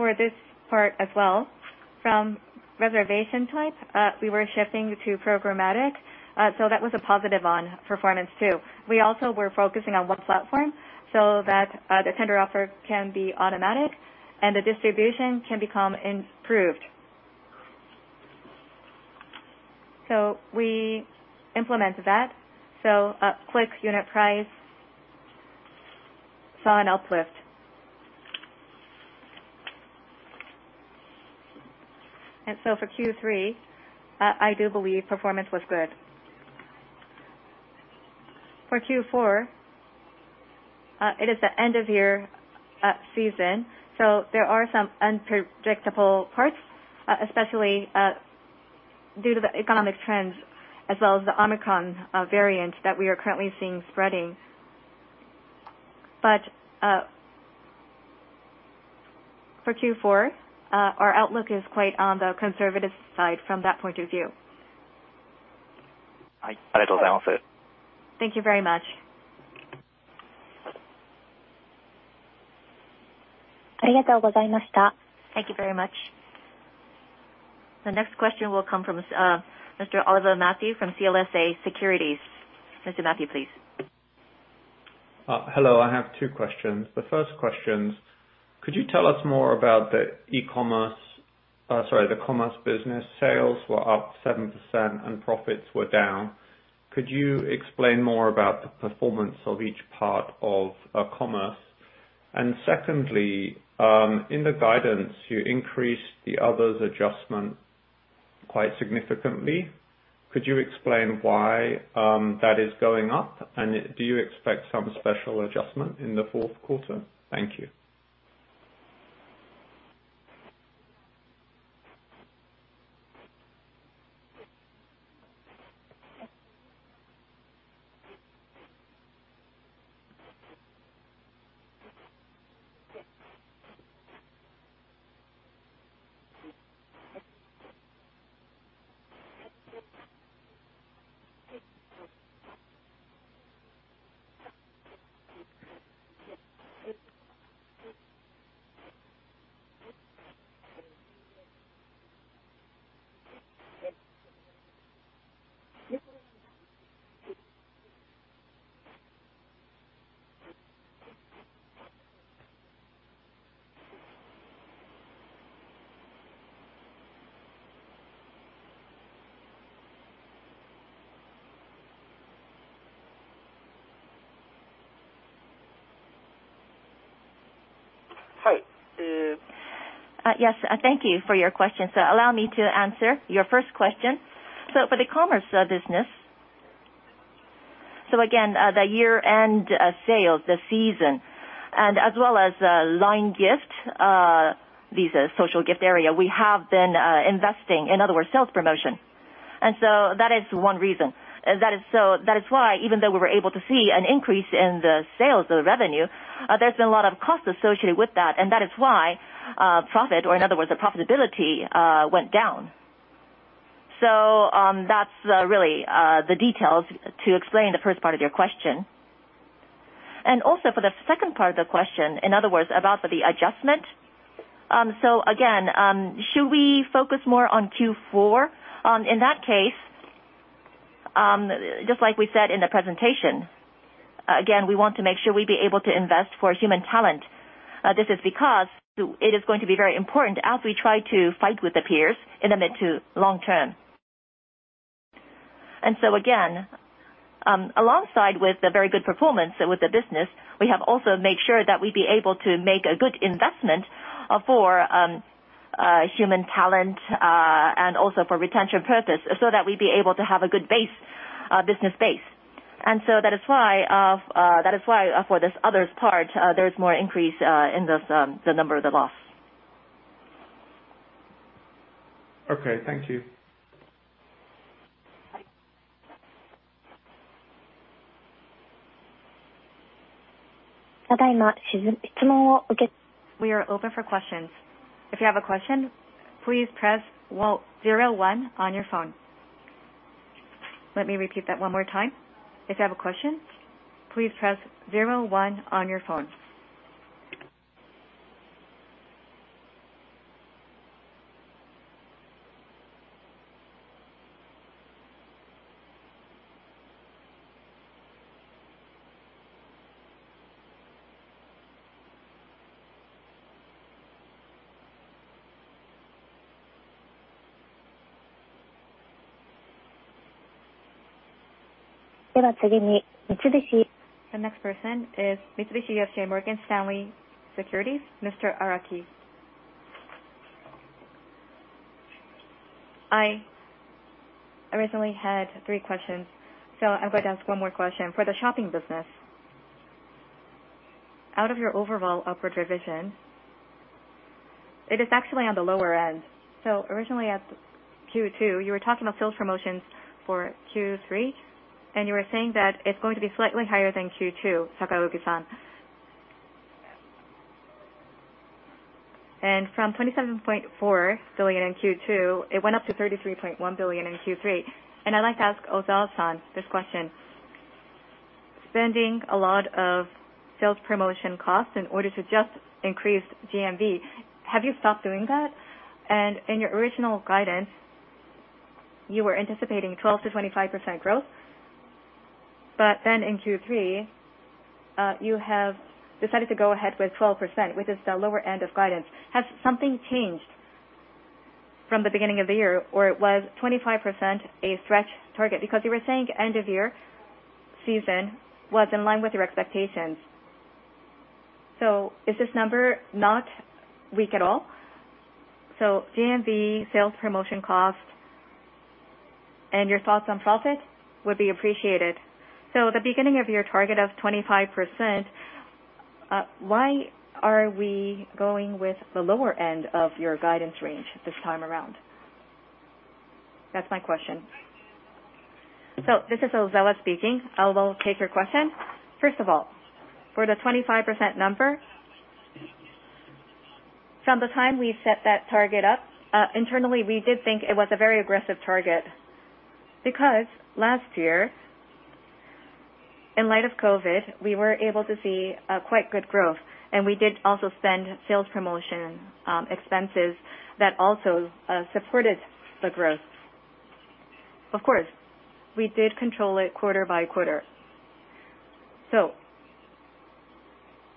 For this part as well, from reservation type, we were shifting to programmatic, so that was a positive on performance too. We also were focusing on one platform so that the tender offer can be automatic and the distribution can become improved. We implemented that. A quick unit price saw an uplift. For Q3, I do believe performance was good. For Q4, it is the end of year season. There are some unpredictable parts, especially due to the economic trends as well as the Omicron variant that we are currently seeing spreading. For Q4, our outlook is quite on the conservative side from that point of view. Thank you very much. Thank you very much. The next question will come from Mr. Oliver Matthew from CLSA Securities. Mr. Matthew, please. Hello. I have two questions. The first question, could you tell us more about the commerce business sales were up 7% and profits were down. Could you explain more about the performance of each part of commerce? Secondly, in the guidance, you increased the others adjustment quite significantly. Could you explain why that is going up? Do you expect some special adjustment in the fourth quarter? Thank you. Hi. Yes, thank you for your question, sir. Allow me to answer your first question. For the commerce business, again, the year-end sales, the season, and as well as, LINE Gift these social gift area, we have been investing, in other words, sales promotion. That is one reason. That is why, even though we were able to see an increase in the sales, the revenue, there's been a lot of costs associated with that, and that is why profit or in other words, the profitability went down. That's really the details to explain the first part of your question. Also for the second part of the question, in other words, about the adjustment. Again, should we focus more on Q4? In that case, just like we said in the presentation, again, we want to make sure we be able to invest for human talent. This is because it is going to be very important as we try to fight with the peers in the mid to long-term. Again, alongside with the very good performance with the business, we have also made sure that we be able to make a good investment for human talent and also for retention purpose, so that we be able to have a good base business base. That is why for this others part, there's more increase in the number of the loss. Okay. Thank you. We are open for questions. If you have a question, please press zero one on your phone. Let me repeat that one more time. If you have a question, please press zero one on your phone. The next question is with Morgan Stanley Securities. Mr. Araki. I originally had three questions, so I'm going to ask one more question. For the shopping business, out of your overall upward revision, it is actually on the lower end. Originally at Q2, you were talking about sales promotions for Q3, and you were saying that it's going to be slightly higher than Q2, Sakaoki-san. From 27.4 billion in Q2, it went up to 33.1 billion in Q3. I'd like to ask Ozawa-san this question. Spending a lot of sales promotion costs in order to just increase GMV, have you stopped doing that? In your original guidance, you were anticipating 12%-25% growth. In Q3, you have decided to go ahead with 12%, which is the lower end of guidance. Has something changed from the beginning of the year, or was 25% a stretch target? Because you were saying end of year season was in line with your expectations. Is this number not weak at all? GMV sales promotion cost and your thoughts on profit would be appreciated. The beginning of your target of 25%, why are we going with the lower end of your guidance range this time around? That's my question. This is Takao Ozawa speaking. I will take your question. First of all, for the 25% number, from the time we set that target up, internally, we did think it was a very aggressive target because last year, in light of COVID, we were able to see quite good growth, and we did also spend sales promotion expenses that also supported the growth. Of course, we did control it quarter by quarter.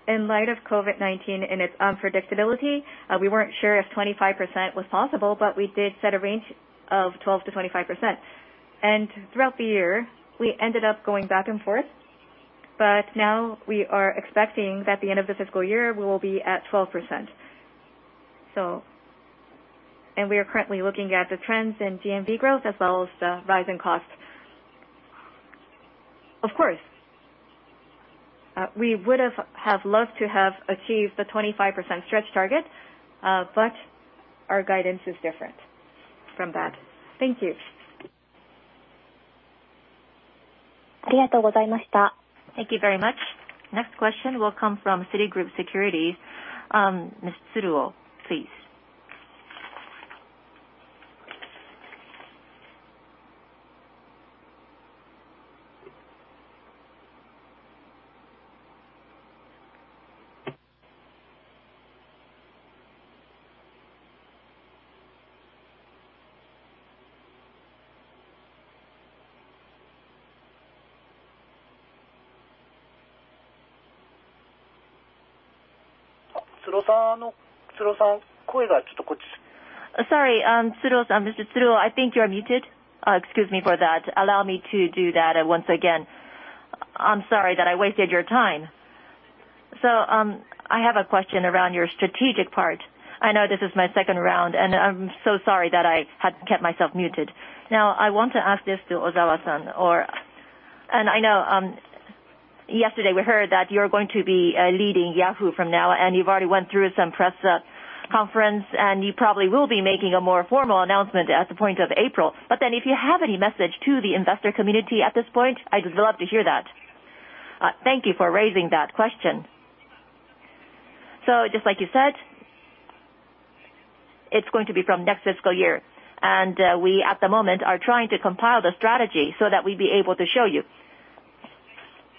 In light of COVID-19 and its unpredictability, we weren't sure if 25% was possible, but we did set a range of 12%-25%. Throughout the year, we ended up going back and forth, but now we are expecting that the end of the fiscal year, we will be at 12%. We are currently looking at the trends in GMV growth as well as the rise in cost. Of course, we would have loved to have achieved the 25% stretch target, but our guidance is different from that. Thank you. Thank you very much. Next question will come from Citigroup Securities. Mr. Tsuruo, please. Sorry. Tsuruo-san, Mr. Tsuruo, I think you're muted. Excuse me for that. Allow me to do that once again. I'm sorry that I wasted your time. I have a question around your strategic part. I know this is my second round, and I'm so sorry that I had kept myself muted. Now, I want to ask this to Ozawa-san. I know yesterday we heard that you're going to be leading Yahoo from now, and you've already went through some press conference, and you probably will be making a more formal announcement at the point of April. Then if you have any message to the investor community at this point, I'd love to hear that. Thank you for raising that question. Just like you said, it's going to be from next fiscal year. We at the moment are trying to compile the strategy so that we'd be able to show you.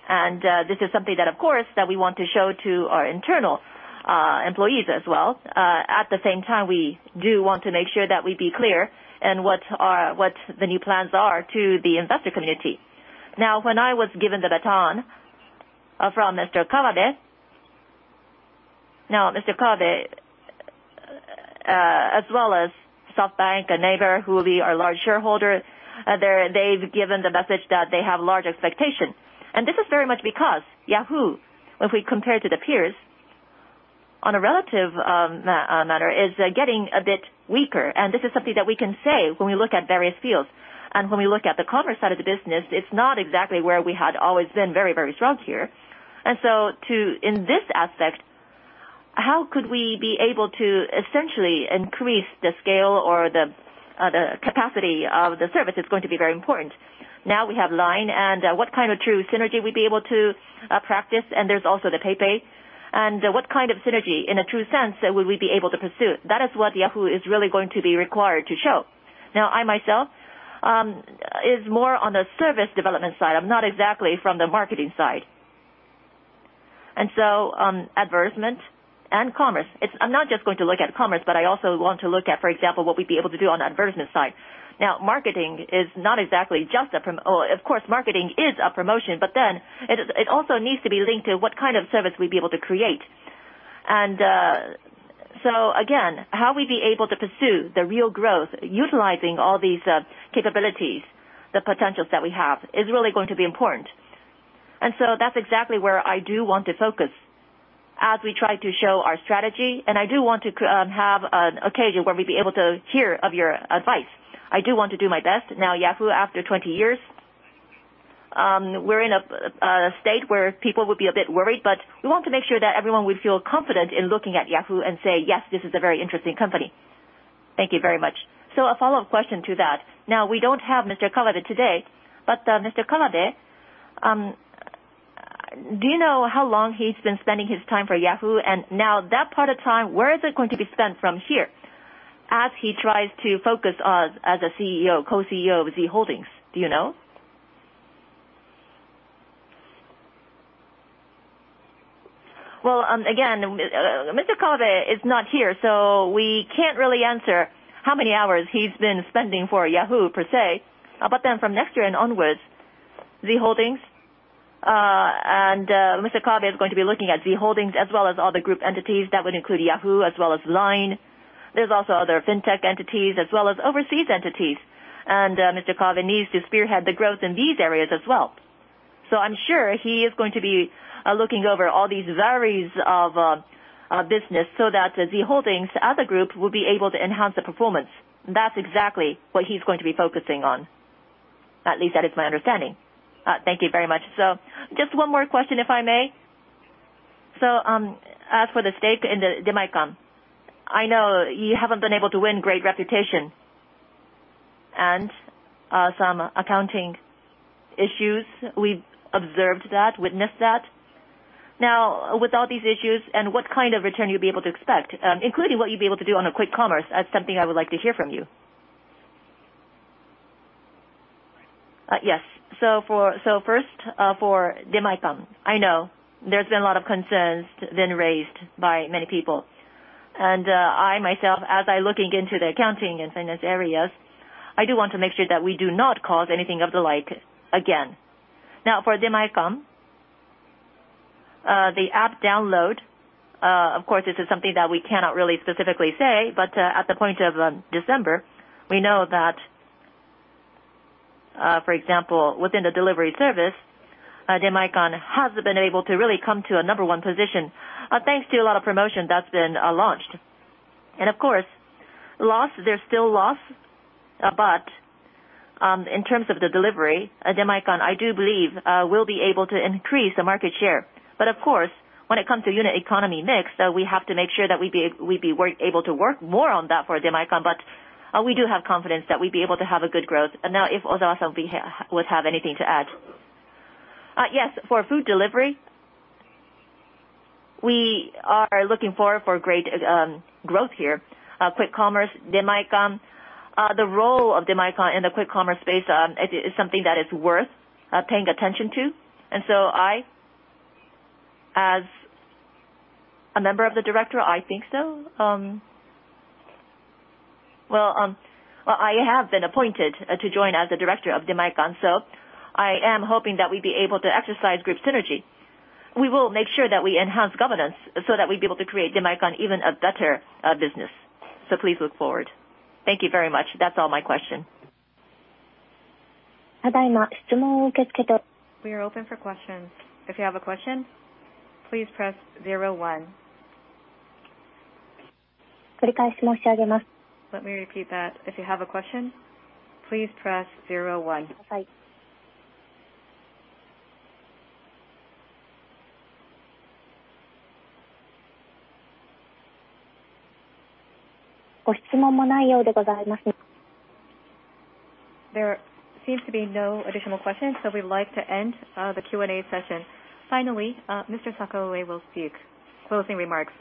This is something that, of course, that we want to show to our internal employees as well. At the same time, we do want to make sure that we be clear in what our, what the new plans are to the investor community. Now, when I was given the baton from Mr. Kawabe. Now, Mr. Kawabe as well as SoftBank, a neighbor who will be our large shareholder, they're, they've given the message that they have large expectation. This is very much because Yahoo, if we compare to the peers, on a relative manner, is getting a bit weaker. This is something that we can say when we look at various fields. When we look at the commerce side of the business, it's not exactly where we had always been very, very strong here. To, in this aspect, how could we be able to essentially increase the scale or the capacity of the service is going to be very important. Now we have LINE and, what kind of true synergy we'd be able to, practice, and there's also the Alipay. What kind of synergy in a true sense would we be able to pursue? That is what Yahoo is really going to be required to show. Now, I myself, is more on the service development side. I'm not exactly from the marketing side. Advertisement and commerce. I'm not just going to look at commerce, but I also want to look at, for example, what we'd be able to do on advertisement side. Now, marketing is not exactly just a promotion. Of course, marketing is a promotion, but then it also needs to be linked to what kind of service we'd be able to create. Again, how we'd be able to pursue the real growth utilizing all these capabilities, the potentials that we have, is really going to be important. That's exactly where I do want to focus as we try to show our strategy, and I do want to have an occasion where we'd be able to hear of your advice. I do want to do my best. Now, Yahoo, after 20 years, we're in a state where people would be a bit worried, but we want to make sure that everyone would feel confident in looking at Yahoo and say, "Yes, this is a very interesting company." Thank you very much. A follow-up question to that. Now, we don't have Mr. Kawabe today, but Mr. Kawabe, do you know how long he's been spending his time for Yahoo? And now that part of time, where is it going to be spent from here as he tries to focus us as a CEO, co-CEO of Z Holdings? Do you know? Well, again, Mr. Kawabe is not here, so we can't really answer how many hours he's been spending for Yahoo per se. But then from next year and onwards, Z Holdings, and Mr. Kawabe is going to be looking at Z Holdings as well as other group entities. That would include Yahoo as well as LINE. There's also other fintech entities as well as overseas entities. Mr. Kawabe needs to spearhead the growth in these areas as well. I'm sure he is going to be looking over all these varieties of business so that Z Holdings as a group will be able to enhance the performance. That's exactly what he's going to be focusing on. At least that is my understanding. Thank you very much. Just one more question, if I may. As for the status in the Demae-can, I know you haven't been able to gain great reputation and some accounting issues. We've observed that, witnessed that. Now, with all these issues and what kind of return you'll be able to expect, including what you'll be able to do on a quick commerce, that's something I would like to hear from you. Yes. First, for Demae-can, I know there's been a lot of concerns been raised by many people. I myself, as I looking into the accounting and finance areas, I do want to make sure that we do not cause anything of the like again. Now, for Demae-can, the app download, of course, this is something that we cannot really specifically say. But, at the point of December, we know that, for example, within the delivery service, Demae-can has been able to really come to a number one position, thanks to a lot of promotion that's been launched. Of course there's still loss, but in terms of the delivery at Demae-can, I do believe we'll be able to increase the market share. Of course, when it comes to unit economy mix, we have to make sure that we are able to work more on that for Demae-can. We do have confidence that we'd be able to have a good growth. Now if Ozawa-san would have anything to add. Yes. For food delivery, we are looking forward to great growth here. Quick commerce, Demae-can, the role of Demae-can in the quick commerce space, it is something that is worth paying attention to. I, as a director, think so. I have been appointed to join as a director of Demae-can, so I am hoping that we'd be able to exercise group synergy. We will make sure that we enhance governance so that we'd be able to create Demae-can even a better business. Please look forward. Thank you very much. That's all my question. We are open for questions. If you have a question, please press zero one. Let me repeat that. If you have a question, please press zero one. There seems to be no additional questions, so we'd like to end the Q&A session. Finally, Mr. Sakaue will speak closing remarks.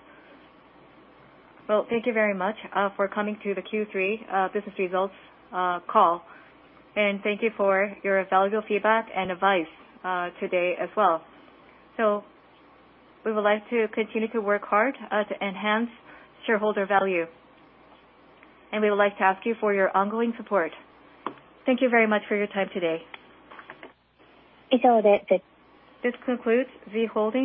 Well, thank you very much for coming to the Q3 business results call. Thank you for your valuable feedback and advice today as well. We would like to continue to work hard to enhance shareholder value. We would like to ask you for your ongoing support. Thank you very much for your time today. This concludes Z Holdings.